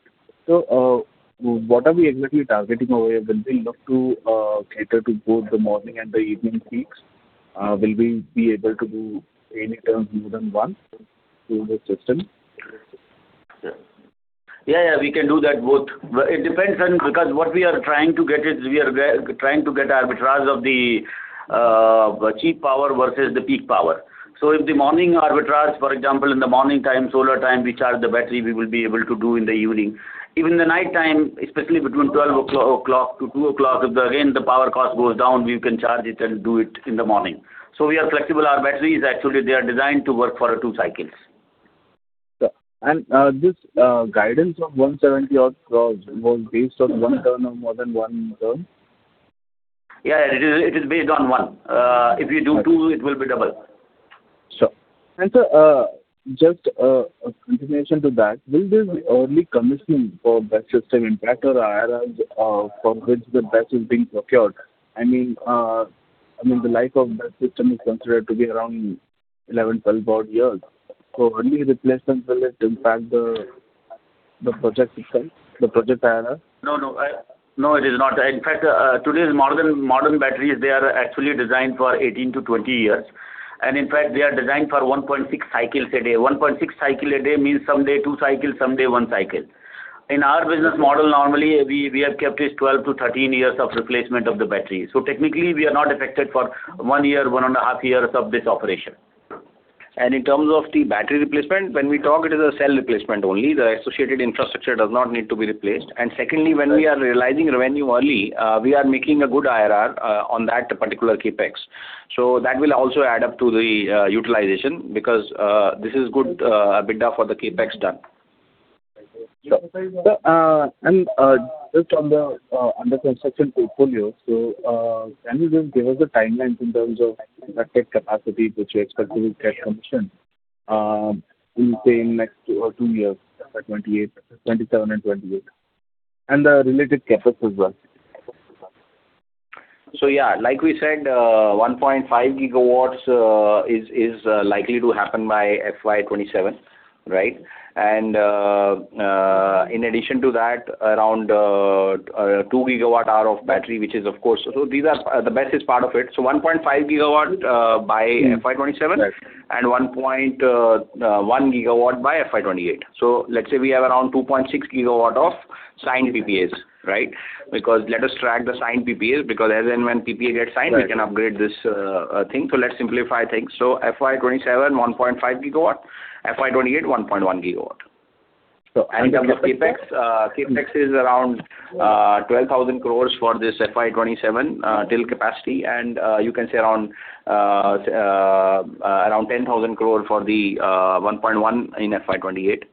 So, what are we exactly targeting over? Will we look to cater to both the morning and the evening peaks? Will we be able to do any terms more than once through the system? Yeah, yeah, we can do that both. But it depends on, because what we are trying to get is, we are trying to get arbitrage of the cheap power versus the peak power. So if the morning arbitrage, for example, in the morning time, solar time, we charge the battery, we will be able to do in the evening. Even in the nighttime, especially between 12:00 A.M. to 2:00 A.M., if again, the power cost goes down, we can charge it and do it in the morning. So we are flexible. Our batteries, actually, they are designed to work for two cycles. This guidance of 170 or more based on one term or more than one term? Yeah, it is, it is based on one. If you do two, it will be double. Sure. And, sir, just, a continuation to that, will this early commissioning for BESS system impact or IRR, from which the BESS is being procured? I mean, I mean, the life of BESS system is considered to be around 11, 12 odd years. So early replacement will it impact the project itself, the project IRR? No, no. No, it is not. In fact, today's modern batteries, they are actually designed for 18-20 years. And in fact, they are designed for 1.6 cycles a day. 1.6 cycles a day means some day two cycles, some day one cycle. In our business model, normally, we have kept is 12-13 years of replacement of the battery. So technically, we are not affected for one year, one and a half years of this operation. And in terms of the battery replacement, when we talk, it is a cell replacement only. The associated infrastructure does not need to be replaced. And secondly, when we are realizing revenue early, we are making a good IRR on that particular CapEx. That will also add up to the utilization, because this is good EBITDA for the CapEx done. Just on the under construction portfolio, so can you just give us the timelines in terms of the tech capacity, which you expect to get commissioned, we say in next or two years, by 2028, 2027 and 2028, and the related CapEx as well? So yeah, like we said, 1.5 GW is likely to happen by FY 2027, right? And in addition to that, around 2 GW hour of battery, which is of course, so these are, the BESS is part of it. So 1.5 GW by FY 2027- Right. And 1.1 GW by FY 2028. So let's say we have around 2.6 GW of signed PPAs, right? Because let us track the signed PPAs, because as and when PPA gets signed- Right. We can upgrade this thing. So let's simplify things. So FY 2027, 1.5 GW, FY 2028, 1.1 GW. So- In terms of CapEx, CapEx is around 12,000 crore for this FY 2027 till capacity, and you can say around 10,000 crore for the 1.1 in FY 2028.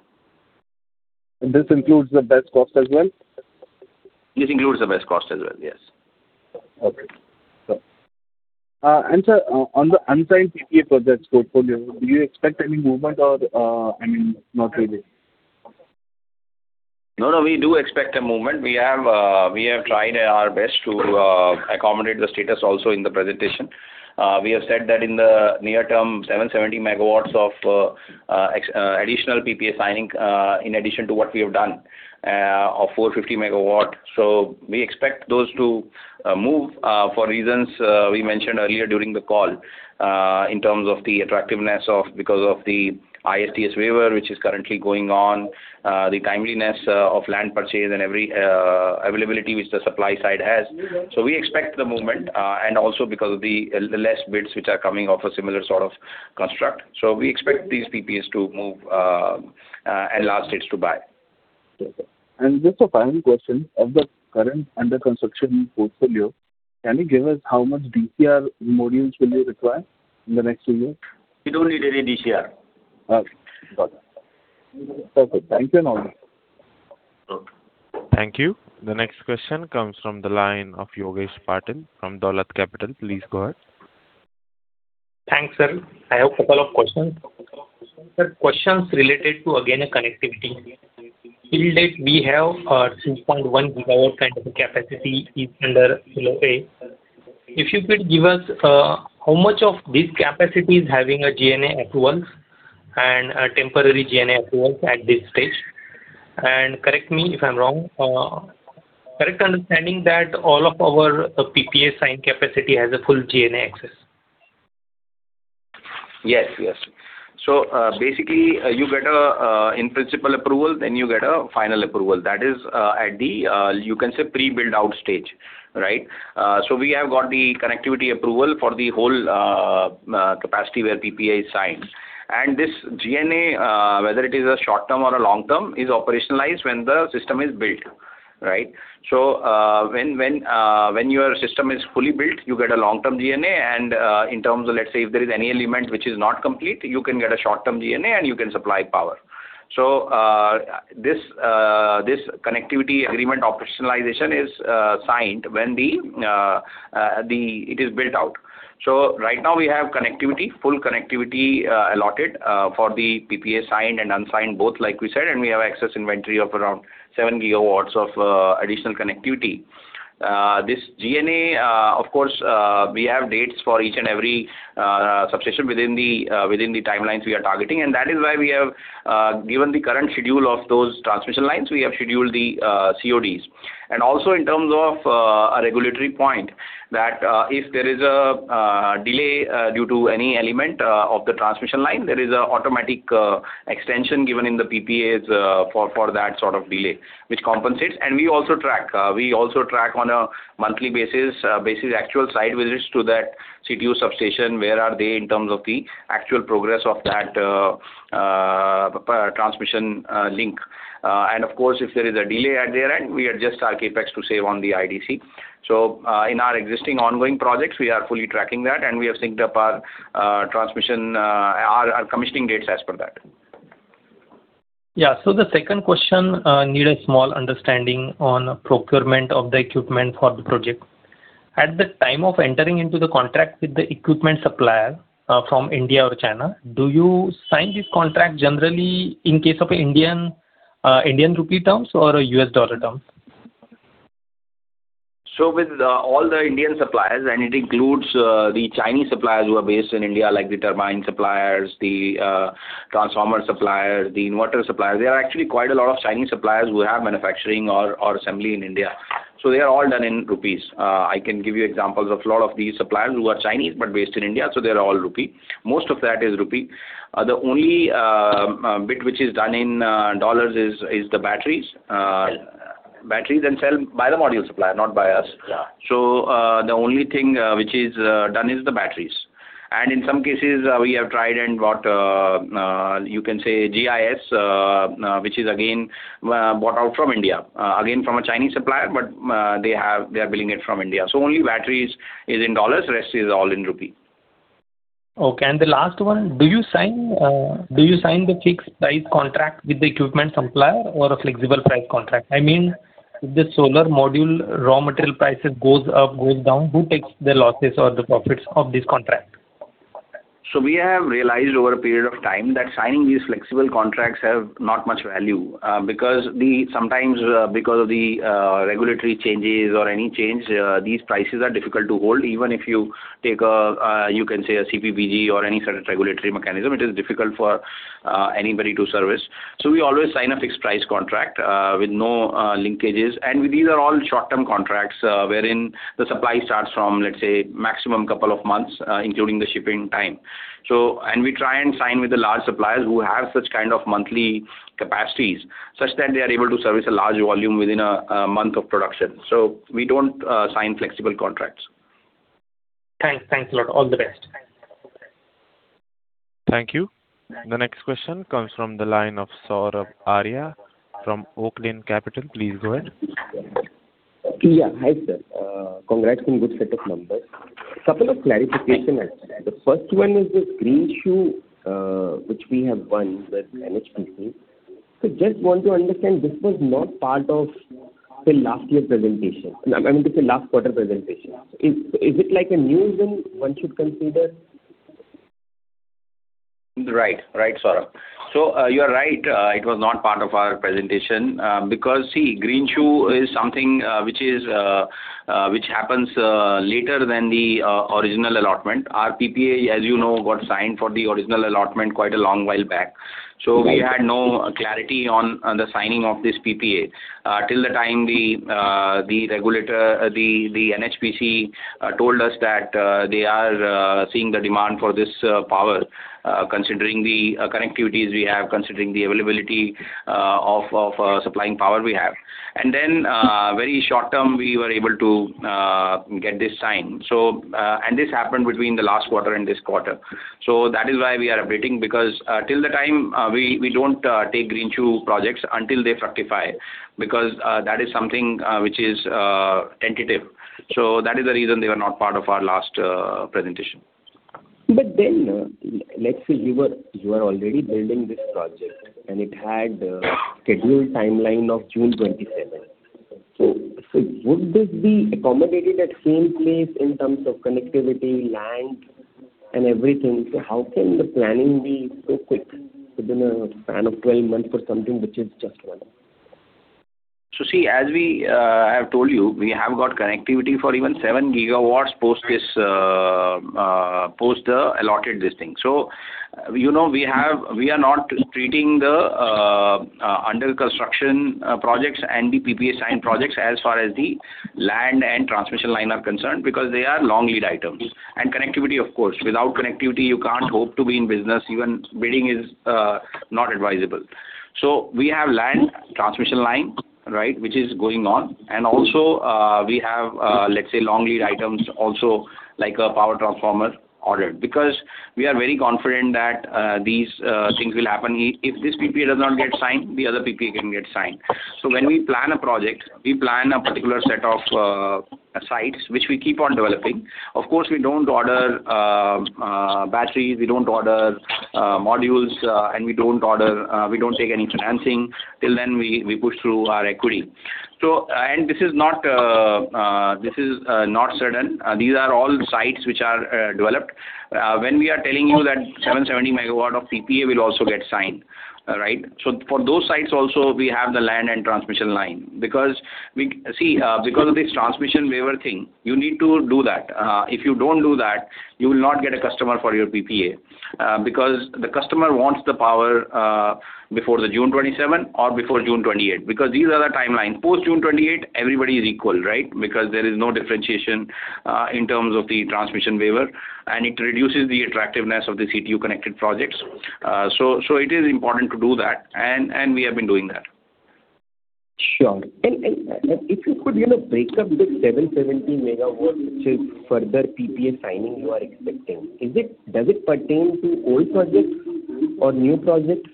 This includes the BESS cost as well? This includes the BESS cost as well, yes. Okay. Sir, on the unsigned PPA projects portfolio, do you expect any movement or, I mean, not really? No, no, we do expect a movement. We have tried our best to accommodate the status also in the presentation. We have said that in the near term, 770 MW of additional PPA signing, in addition to what we have done, of 450 MW. So we expect those to move, for reasons we mentioned earlier during the call, in terms of the attractiveness of... because of the ISTS waiver, which is currently going on, the timeliness of land purchase and every availability which the supply side has. So we expect the movement, and also because of the less bids which are coming off a similar sort of construct. So we expect these PPAs to move, and last dates to buy. Okay. Just a final question, of the current under construction portfolio, can you give us how much DCR modules will you require in the next few years? We don't need any DCR. Okay, got it. Okay, thank you now. Thank you. The next question comes from the line of Yogesh Patil from Dolat Capital. Please go ahead. Thanks, sir. I have a couple of questions. Sir, questions related to, again, a connectivity. To date, we have a 3.1 GW kind of a capacity under PPA. If you could give us how much of this capacity is having a GNA approval and a temporary GNA approval at this stage? And correct me if I'm wrong, correct understanding that all of our PPA signed capacity has a full GNA access. Yes, yes. So, basically, you get a in-principle approval, then you get a final approval. That is, at the, you can say, pre-build-out stage, right? So we have got the connectivity approval for the whole, capacity where PPA is signed. And this GNA, whether it is a short term or a long term, is operationalized when the system is built, right? So, when your system is fully built, you get a long-term GNA, and, in terms of, let's say, if there is any element which is not complete, you can get a short-term GNA, and you can supply power. So, this connectivity agreement operationalization is signed when the, it is built out. So right now we have connectivity, full connectivity, allotted, for the PPA signed and unsigned, both, like we said, and we have excess inventory of around 7 GW of additional connectivity. This GNA, of course, we have dates for each and every substation within the within the timelines we are targeting. And that is why we have, given the current schedule of those transmission lines, we have scheduled the CODs. And also in terms of a regulatory point, that, if there is a delay due to any element of the transmission line, there is an automatic extension given in the PPAs for that sort of delay, which compensates. We also track on a monthly basis actual site visits to that CTU substation, where are they in terms of the actual progress of that transmission link. Of course, if there is a delay at their end, we adjust our CapEx to save on the IDC. So in our existing ongoing projects, we are fully tracking that, and we have synced up our transmission our commissioning dates as per that. Yeah. So the second question, need a small understanding on procurement of the equipment for the project. At the time of entering into the contract with the equipment supplier, from India or China, do you sign this contract generally in case of Indian, Indian rupee terms or U.S. dollar terms? So with all the Indian suppliers, and it includes the Chinese suppliers who are based in India, like the turbine suppliers, the transformer suppliers, the inverter suppliers, there are actually quite a lot of Chinese suppliers who have manufacturing or assembly in India. So they are all done in rupees. I can give you examples of a lot of these suppliers who are Chinese, but based in India, so they are all rupee. Most of that is rupee. The only bit which is done in dollars is the batteries. Cell. Batteries and cell, by the module supplier, not by us. Yeah. So, the only thing which is done is the batteries. And in some cases, we have tried and got you can say GIS, which is again bought out from India. Again, from a Chinese supplier, but they are billing it from India. So only batteries is in dollars, the rest is all in rupee. Okay. The last one: do you sign, do you sign the fixed price contract with the equipment supplier or a flexible price contract? I mean, if the solar module raw material prices goes up, goes down, who takes the losses or the profits of this contract? So we have realized over a period of time that signing these flexible contracts have not much value, because sometimes, because of the regulatory changes or any change, these prices are difficult to hold. Even if you take a, you can say, a CPPA or any sort of regulatory mechanism, it is difficult for anybody to service. So we always sign a fixed price contract, with no linkages. And these are all short-term contracts, wherein the supply starts from, let's say, maximum couple of months, including the shipping time. So, and we try and sign with the large suppliers who have such kind of monthly capacities, such that they are able to service a large volume within a, a month of production. So we don't sign flexible contracts. Thanks. Thanks a lot. All the best. Thank you. The next question comes from the line of Sourabh Arya from Oaklane Capital. Please go ahead. Yeah. Hi, sir. Congrats on good set of numbers. Couple of clarification. The first one is the Greenshoe, which we have won with NHPC. So just want to understand, this was not part of the last year presentation, I mean, the last quarter presentation. Is it like a new thing one should consider? Right. Right, Saurabh. So, you are right, it was not part of our presentation, because, see, Greenshoe is something, which is, which happens, later than the, original allotment. Our PPA, as you know, got signed for the original allotment quite a long while back. Right. So we had no clarity on the signing of this PPA. Till the time the regulator, the NHPC, told us that they are seeing the demand for this power, considering the connectivities we have, considering the availability of supplying power we have. And then, very short term, we were able to get this signed. So, and this happened between the last quarter and this quarter. So that is why we are updating, because till the time we don't take Greenshoe projects until they fructify, because that is something which is tentative. So that is the reason they were not part of our last presentation. But then, let's say you were, you were already building this project, and it had scheduled timeline of June 2027. So, so would this be accommodated at same place in terms of connectivity, land, and everything? So how can the planning be so quick within a span of 12 months for something which is just won? So, see, as we, I have told you, we have got connectivity for even seven gigawatts post this, post the allotted this thing. So you know, we are not treating the under construction projects and the PPA signed projects as far as the land and transmission line are concerned, because they are long lead items. Mm-hmm. And connectivity, of course. Without connectivity, you can't hope to be in business, even bidding is not advisable. So we have land, transmission line, right, which is going on. And also, we have, let's say, long lead items also, like a power transformer ordered. Because we are very confident that these things will happen. If this PPA does not get signed, the other PPA can get signed. Right. So when we plan a project, we plan a particular set of sites, which we keep on developing. Of course, we don't order batteries, we don't order modules, and we don't order, we don't take any financing. Till then, we push through our equity.... So, and this is not certain. These are all sites which are developed. When we are telling you that 770 MW of PPA will also get signed, right? So for those sites also, we have the land and transmission line. Because we see, because of this transmission waiver thing, you need to do that. If you don't do that, you will not get a customer for your PPA, because the customer wants the power, before the June 2027 or before June 2028, because these are the timeline. Post-June 2028, everybody is equal, right? Because there is no differentiation, in terms of the transmission waiver, and it reduces the attractiveness of the CTU-connected projects. So, so it is important to do that, and, and we have been doing that. Sure. And if you could, you know, break up the 770 MW, which is further PPA signing you are expecting. Is it? Does it pertain to old projects or new projects?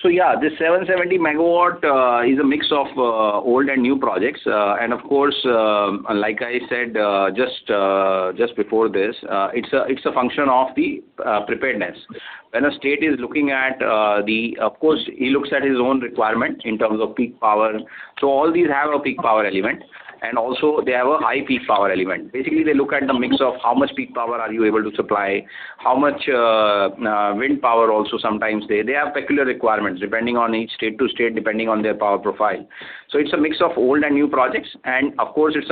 So, yeah, this 770 MW is a mix of old and new projects. And of course, like I said, just before this, it's a, it's a function of the preparedness. When a state is looking at, of course, he looks at his own requirement in terms of peak power. So all these have a peak power element, and also they have a high peak power element. Basically, they look at the mix of how much peak power are you able to supply, how much wind power also sometimes. They, they have particular requirements depending on each state to state, depending on their power profile. So it's a mix of old and new projects, and of course, it's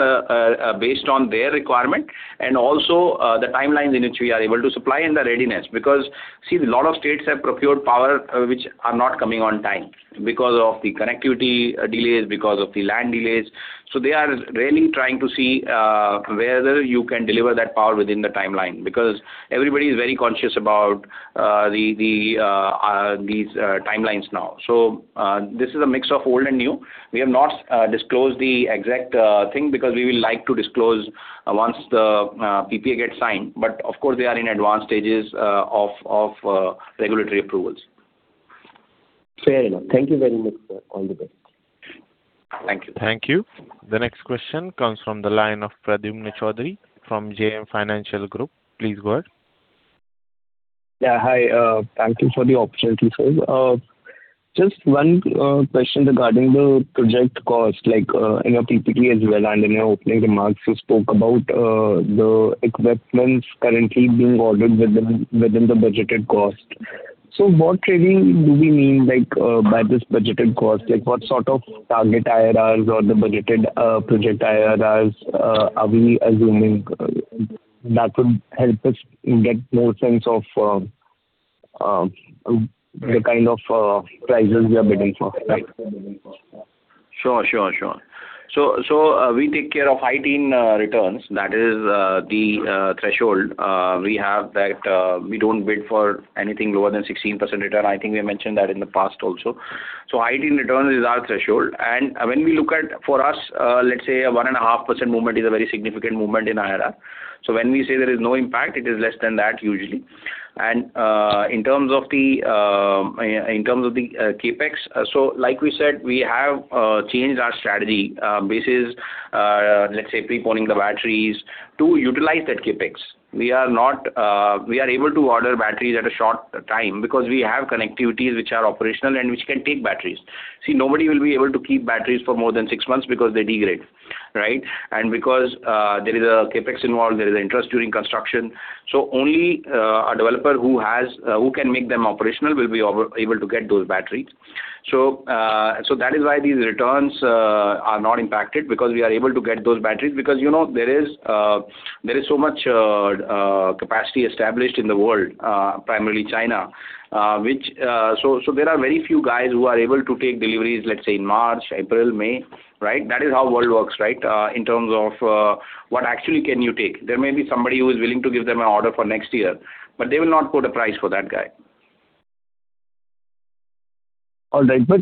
based on their requirement and also the timelines in which we are able to supply and the readiness. Because, see, a lot of states have procured power which are not coming on time because of the connectivity delays, because of the land delays. So they are really trying to see whether you can deliver that power within the timeline, because everybody is very conscious about the timelines now. So this is a mix of old and new. We have not disclosed the exact thing because we will like to disclose once the PPA gets signed, but of course, they are in advanced stages of regulatory approvals. Fair enough. Thank you very much, sir. All the best. Thank you. Thank you. The next question comes from the line of Pradyumna Choudhary from JM Financial Group. Please go ahead. Yeah, hi. Thank you for the opportunity, sir. Just one question regarding the project cost, like, in your PPA as well, and in your opening remarks, you spoke about the equipments currently being ordered within, within the budgeted cost. So what really do we mean, like, by this budgeted cost? Like, what sort of target IRRs or the budgeted project IRRs are we assuming? That would help us get more sense of the kind of prices we are bidding for, right? Sure, sure, sure. So, so, we take care of high-teen returns. That is the threshold we have that we don't bid for anything lower than 16% return. I think we mentioned that in the past also. So high-teen return is our threshold. And when we look at, for us, let's say a 1.5% movement is a very significant movement in IRR. So when we say there is no impact, it is less than that usually. And in terms of the, in terms of the CapEx, so like we said, we have changed our strategy basis let's say preponing the batteries to utilize that CapEx. We are not. We are able to order batteries at a short time because we have connectivities which are operational and which can take batteries. See, nobody will be able to keep batteries for more than six months because they degrade, right? And because, there is a CapEx involved, there is interest during construction. So only, a developer who has, who can make them operational will be able to get those batteries. So, so that is why these returns are not impacted, because we are able to get those batteries, because, you know, there is, there is so much capacity established in the world, primarily China, which... So, so there are very few guys who are able to take deliveries, let's say, in March, April, May, right? That is how world works, right, in terms of, what actually can you take. There may be somebody who is willing to give them an order for next year, but they will not quote a price for that guy. All right. But,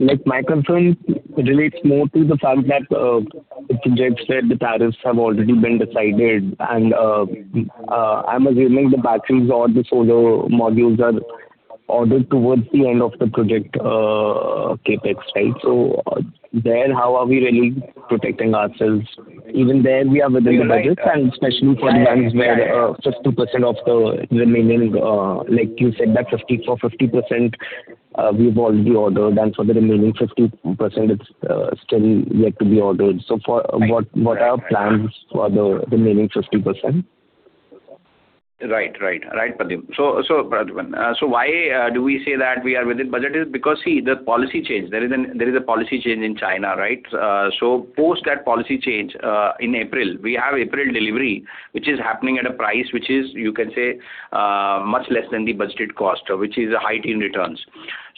like, my concern relates more to the fact that, like JP said, the tariffs have already been decided, and, I'm assuming the batteries or the solar modules are ordered towards the end of the project, CapEx, right? So, there, how are we really protecting ourselves? Even there, we are within the budget, and especially for the ones where, 50% of the remaining, like you said, that 50, for 50%, we've already ordered, and for the remaining 50%, it's still yet to be ordered. So for- Right. What are our plans for the remaining 50%? Right. Right. Right, Pradyumna. So, so, Pradyumna, so why do we say that we are within budget is because, see, the policy change. There is a policy change in China, right? So post that policy change, in April, we have April delivery, which is happening at a price which is, you can say, much less than the budgeted cost, which is a high teen returns.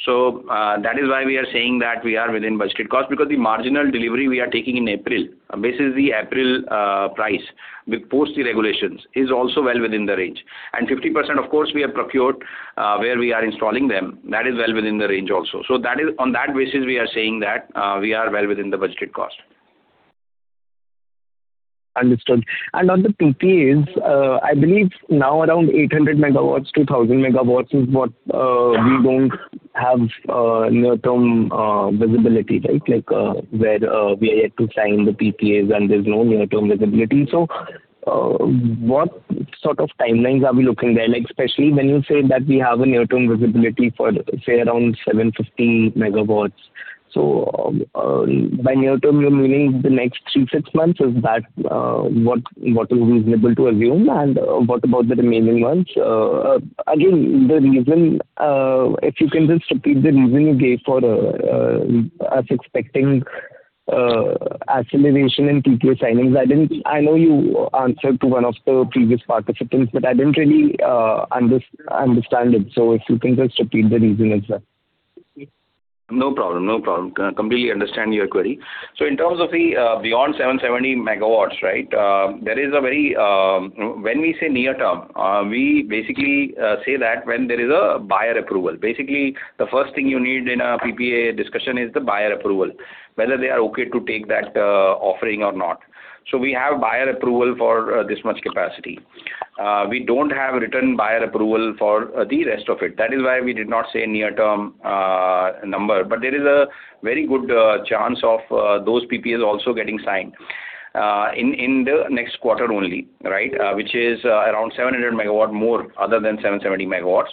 So, that is why we are saying that we are within budgeted cost, because the marginal delivery we are taking in April, basically the April price, post the regulations, is also well within the range. And 50%, of course, we have procured, where we are installing them. That is well within the range also. So that is, on that basis, we are saying that we are well within the budgeted cost. Understood. And on the PPAs, I believe now around 800-1,000 MW is what, Yeah. We don't have near-term visibility, right? Like, where we are yet to sign the PPAs and there's no near-term visibility. So, what sort of timelines are we looking there? Like, especially when you say that we have a near-term visibility for, say, around 750 MW? So, by near term, you're meaning the next 3-6 months, is that what is reasonable to assume? And, what about the remaining months? Again, the reason, if you can just repeat the reason you gave for us expecting acceleration in PPA signings. I didn't—I know you answered to one of the previous participants, but I didn't really understand it, so if you can just repeat the reason as well. No problem, no problem. Completely understand your query. So in terms of the, beyond 770 MW, right? There is a very... When we say near term, we basically say that when there is a buyer approval. Basically, the first thing you need in a PPA discussion is the buyer approval, whether they are okay to take that offering or not. So we have buyer approval for this much capacity. We don't have a written buyer approval for the rest of it. That is why we did not say near-term number. But there is a very good chance of those PPAs also getting signed in the next quarter only, right? Mm. Which is around 700 MW more, other than 770 MW.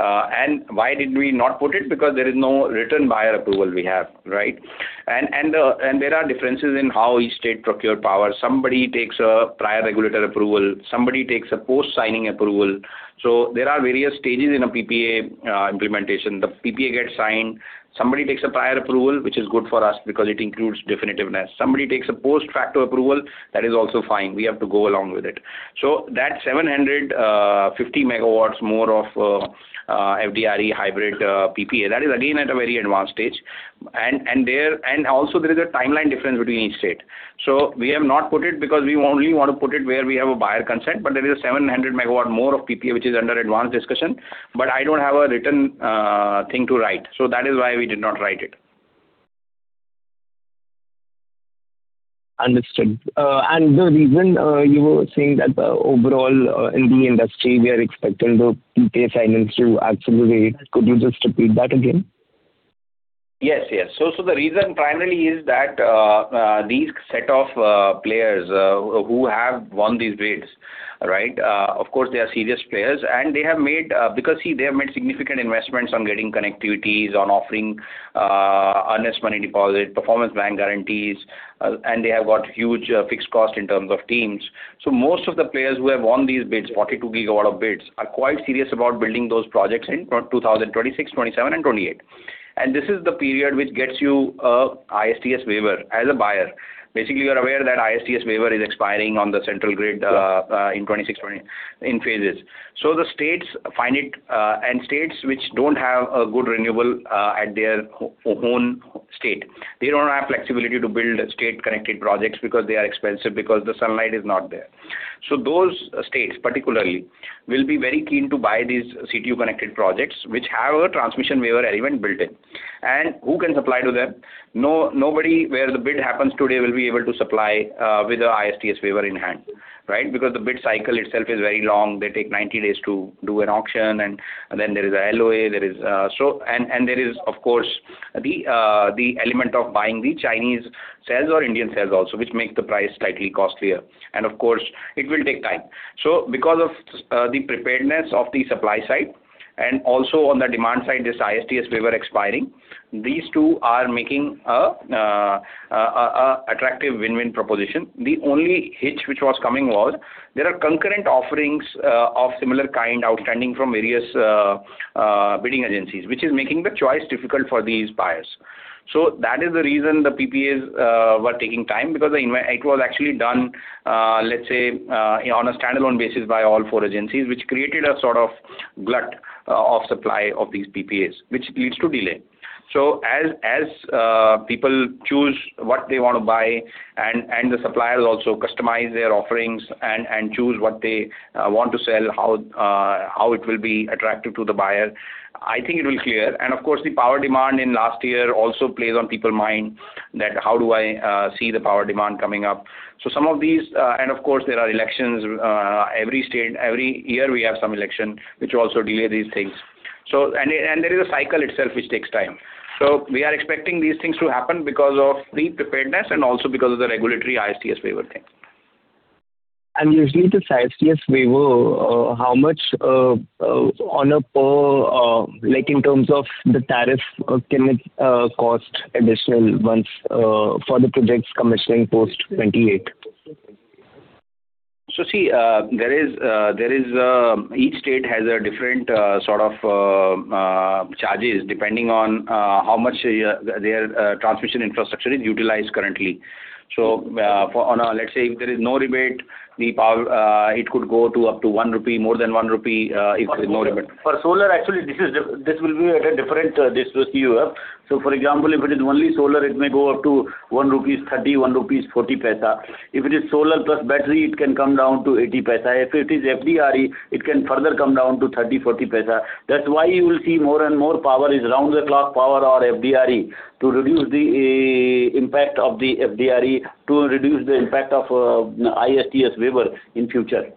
And why did we not put it? Because there is no written buyer approval we have, right? And there are differences in how each state procure power. Somebody takes a prior regulator approval, somebody takes a post-signing approval. So there are various stages in a PPA implementation. The PPA gets signed, somebody takes a prior approval, which is good for us because it includes definitiveness. Somebody takes a post-facto approval, that is also fine. We have to go along with it. So that 750 MW more of FDRE hybrid PPA, that is again at a very advanced stage. And also there is a timeline difference between each state. We have not put it because we only want to put it where we have a buyer consent, but there is 700 MW more of PPA, which is under advanced discussion, but I don't have a written thing to write. That is why we did not write it. Understood. The reason you were saying that, overall, in the industry, we are expecting the PPA signings to accelerate. Could you just repeat that again? Yes, yes. So, so the reason primarily is that, these set of players who have won these bids, right? Of course, they are serious players, and they have made, because, see, they have made significant investments on getting connectivities, on offering earnest money deposit, performance bank guarantees, and they have got huge fixed cost in terms of teams. So most of the players who have won these bids, 42 GW of bids, are quite serious about building those projects in 2026, 2027 and 2028. And this is the period which gets you a ISTS waiver as a buyer. Basically, you are aware that ISTS waiver is expiring on the central grid, in 2026, 2027... in phases. So the states find it, and states which don't have a good renewable, at their own state, they don't have flexibility to build state-connected projects because they are expensive, because the sunlight is not there. So those states, particularly, will be very keen to buy these CTU-connected projects, which have a transmission waiver element built in. And who can supply to them? Nobody where the bid happens today will be able to supply, with a ISTS waiver in hand, right? Because the bid cycle itself is very long. They take 90 days to do an auction, and then there is an LOA, and there is, of course, the element of buying the Chinese cells or Indian cells also, which makes the price slightly costlier. And of course, it will take time. So because of the preparedness of the supply side and also on the demand side, this ISTS waiver expiring, these two are making an attractive win-win proposition. The only hitch which was coming was there are concurrent offerings of similar kind outstanding from various bidding agencies, which is making the choice difficult for these buyers. So that is the reason the PPAs were taking time, because it was actually done, let's say, on a standalone basis by all four agencies, which created a sort of glut of supply of these PPAs, which leads to delay. So as people choose what they want to buy, and the suppliers also customize their offerings and choose what they want to sell, how it will be attractive to the buyer, I think it will clear. And of course, the power demand in last year also plays on people mind, that how do I see the power demand coming up? So some of these. And of course, there are elections every state, every year we have some election, which also delay these things. So and it, and there is a cycle itself which takes time. So we are expecting these things to happen because of the preparedness and also because of the regulatory ISTS waiver thing. Usually, the ISTS waiver, how much, on a per, like in terms of the tariff, can it cost additional months, for the projects commissioning post 2028? So, see, there is each state has a different sort of charges, depending on how much their transmission infrastructure is utilized currently. So, for on a, let's say, if there is no rebate, the power it could go up to 1 rupee, more than 1 rupee, if there is no rebate. For solar, actually, this is—this will be at a different discovery. So for example, if it is only solar, it may go up to 1.30-1.40 rupees. If it is solar plus battery, it can come down to 0.80. If it is FDRE, it can further come down to 0.30-0.40. That's why you will see more and more power is round-the-clock power or FDRE, to reduce the impact of the FDRE, to reduce the impact of ISTS waiver in future.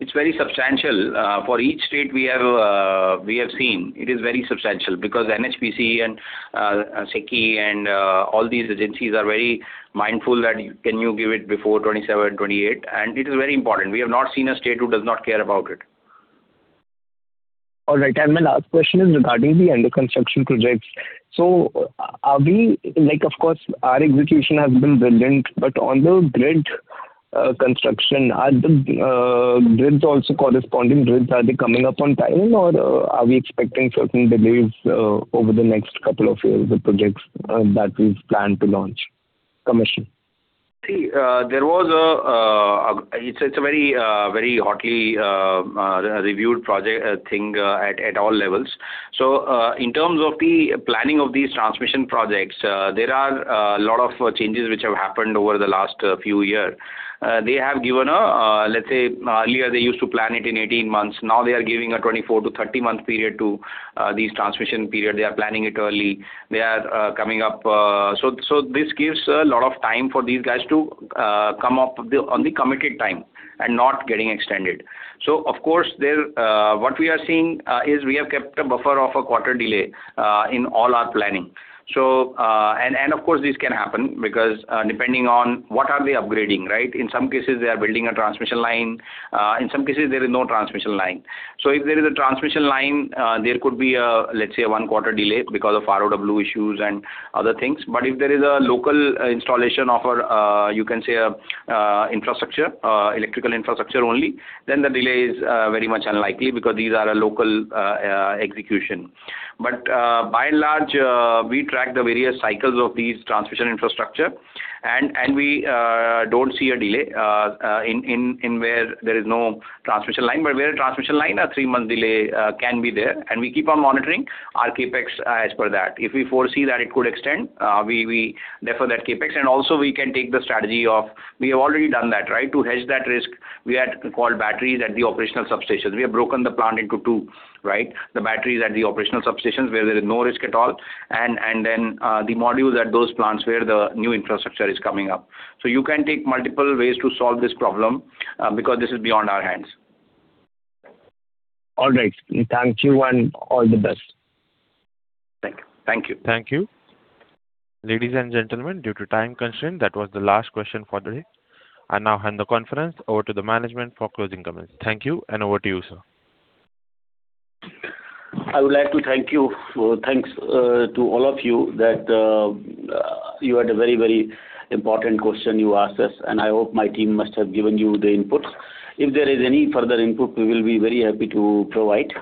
It's very substantial. For each state, we have seen. It is very substantial because NHPC and SECI and all these agencies are very mindful that, "Can you give it before 2027, 2028?" And it is very important. We have not seen a state who does not care about it. All right, and my last question is regarding the under construction projects. So are we, like, of course, our execution has been brilliant, but on the grid construction, are the grids also corresponding grids, are they coming up on time, or are we expecting certain delays over the next couple of years, the projects that we've planned to launch, commission? See, there was a, it's a very, very hotly reviewed project thing at all levels. So, in terms of the planning of these transmission projects, there are a lot of changes which have happened over the last few year. They have given a, let's say, earlier they used to plan it in 18 months, now they are giving a 24- to 30-month period to these transmission period. They are planning it early. They are coming up. So, this gives a lot of time for these guys to come up with the on the committed time and not getting extended. So of course, there, what we are seeing is we have kept a buffer of a quarter delay in all our planning. So, of course, this can happen because, depending on what are they upgrading, right? In some cases, they are building a transmission line. In some cases, there is no transmission line. So if there is a transmission line, there could be a, let's say, a one-quarter delay because of ROW issues and other things. But if there is a local installation of a, you can say, electrical infrastructure only, then the delay is very much unlikely because these are a local execution. But by and large, we track the various cycles of these transmission infrastructure, and we don't see a delay in where there is no transmission line. But where a transmission line, a 3-month delay, can be there, and we keep on monitoring our CapEx, as per that. If we foresee that it could extend, we defer that CapEx. And also we can take the strategy of... We have already done that, right? To hedge that risk, we had to call batteries at the operational substations. We have broken the plant into two, right? The batteries at the operational substations where there is no risk at all, and then, the modules at those plants where the new infrastructure is coming up. So you can take multiple ways to solve this problem, because this is beyond our hands. All right. Thank you and all the best. Thank you. Thank you. Thank you. Ladies and gentlemen, due to time constraint, that was the last question for the day. I now hand the conference over to the management for closing comments. Thank you, and over to you, sir. I would like to thank you. Thanks to all of you, that you had a very, very important question you asked us, and I hope my team must have given you the inputs. If there is any further input, we will be very happy to provide.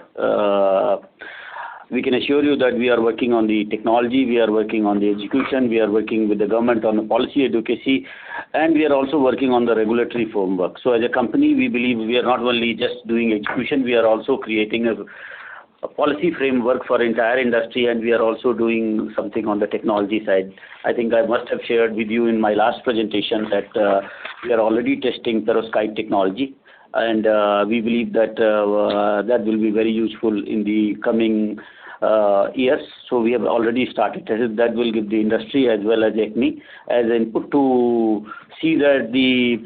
We can assure you that we are working on the technology, we are working on the execution, we are working with the government on the policy advocacy, and we are also working on the regulatory framework. So as a company, we believe we are not only just doing execution, we are also creating a policy framework for entire industry, and we are also doing something on the technology side. I think I must have shared with you in my last presentation that, we are already testing perovskite technology, and, we believe that, that will be very useful in the coming, years. So we have already started. That is, that will give the industry as well as Acme an input to see that the,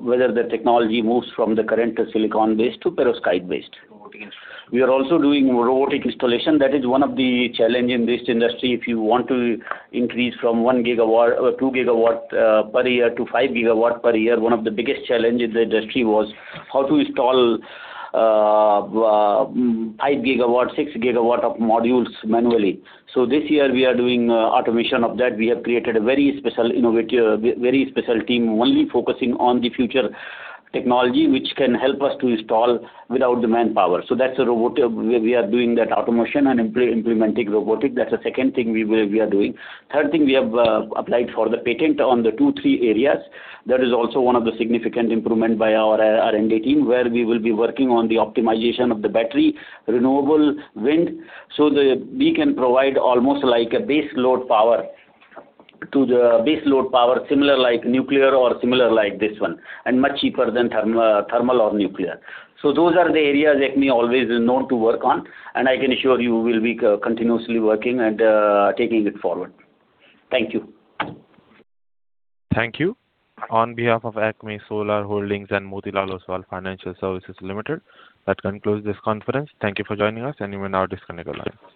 whether the technology moves from the current silicon-based to perovskite-based. We are also doing robotic installation. That is one of the challenge in this industry. If you want to increase from 1 GW, 2 GW, per year to 5 GW per year, one of the biggest challenge in the industry was how to install, 5 GW, 6 GW of modules manually. So this year we are doing, automation of that. We have created a very special, innovative, very special team, only focusing on the future technology, which can help us to install without the manpower. So that's a robotic, we are doing that automation and implementing robotic. That's the second thing we, we are doing. Third thing, we have applied for the patent on the two, three areas. That is also one of the significant improvement by our R&D team, where we will be working on the optimization of the battery, renewable wind, so we can provide almost like a base load power to the base load power, similar like nuclear or similar like this one, and much cheaper than thermal or nuclear. So those are the areas Acme always is known to work on, and I can assure you we'll be continuously working and taking it forward. Thank you. Thank you. On behalf of Acme Solar Holdings and Motilal Oswal Financial Services Limited, that concludes this conference. Thank you for joining us, and you may now disconnect your lines.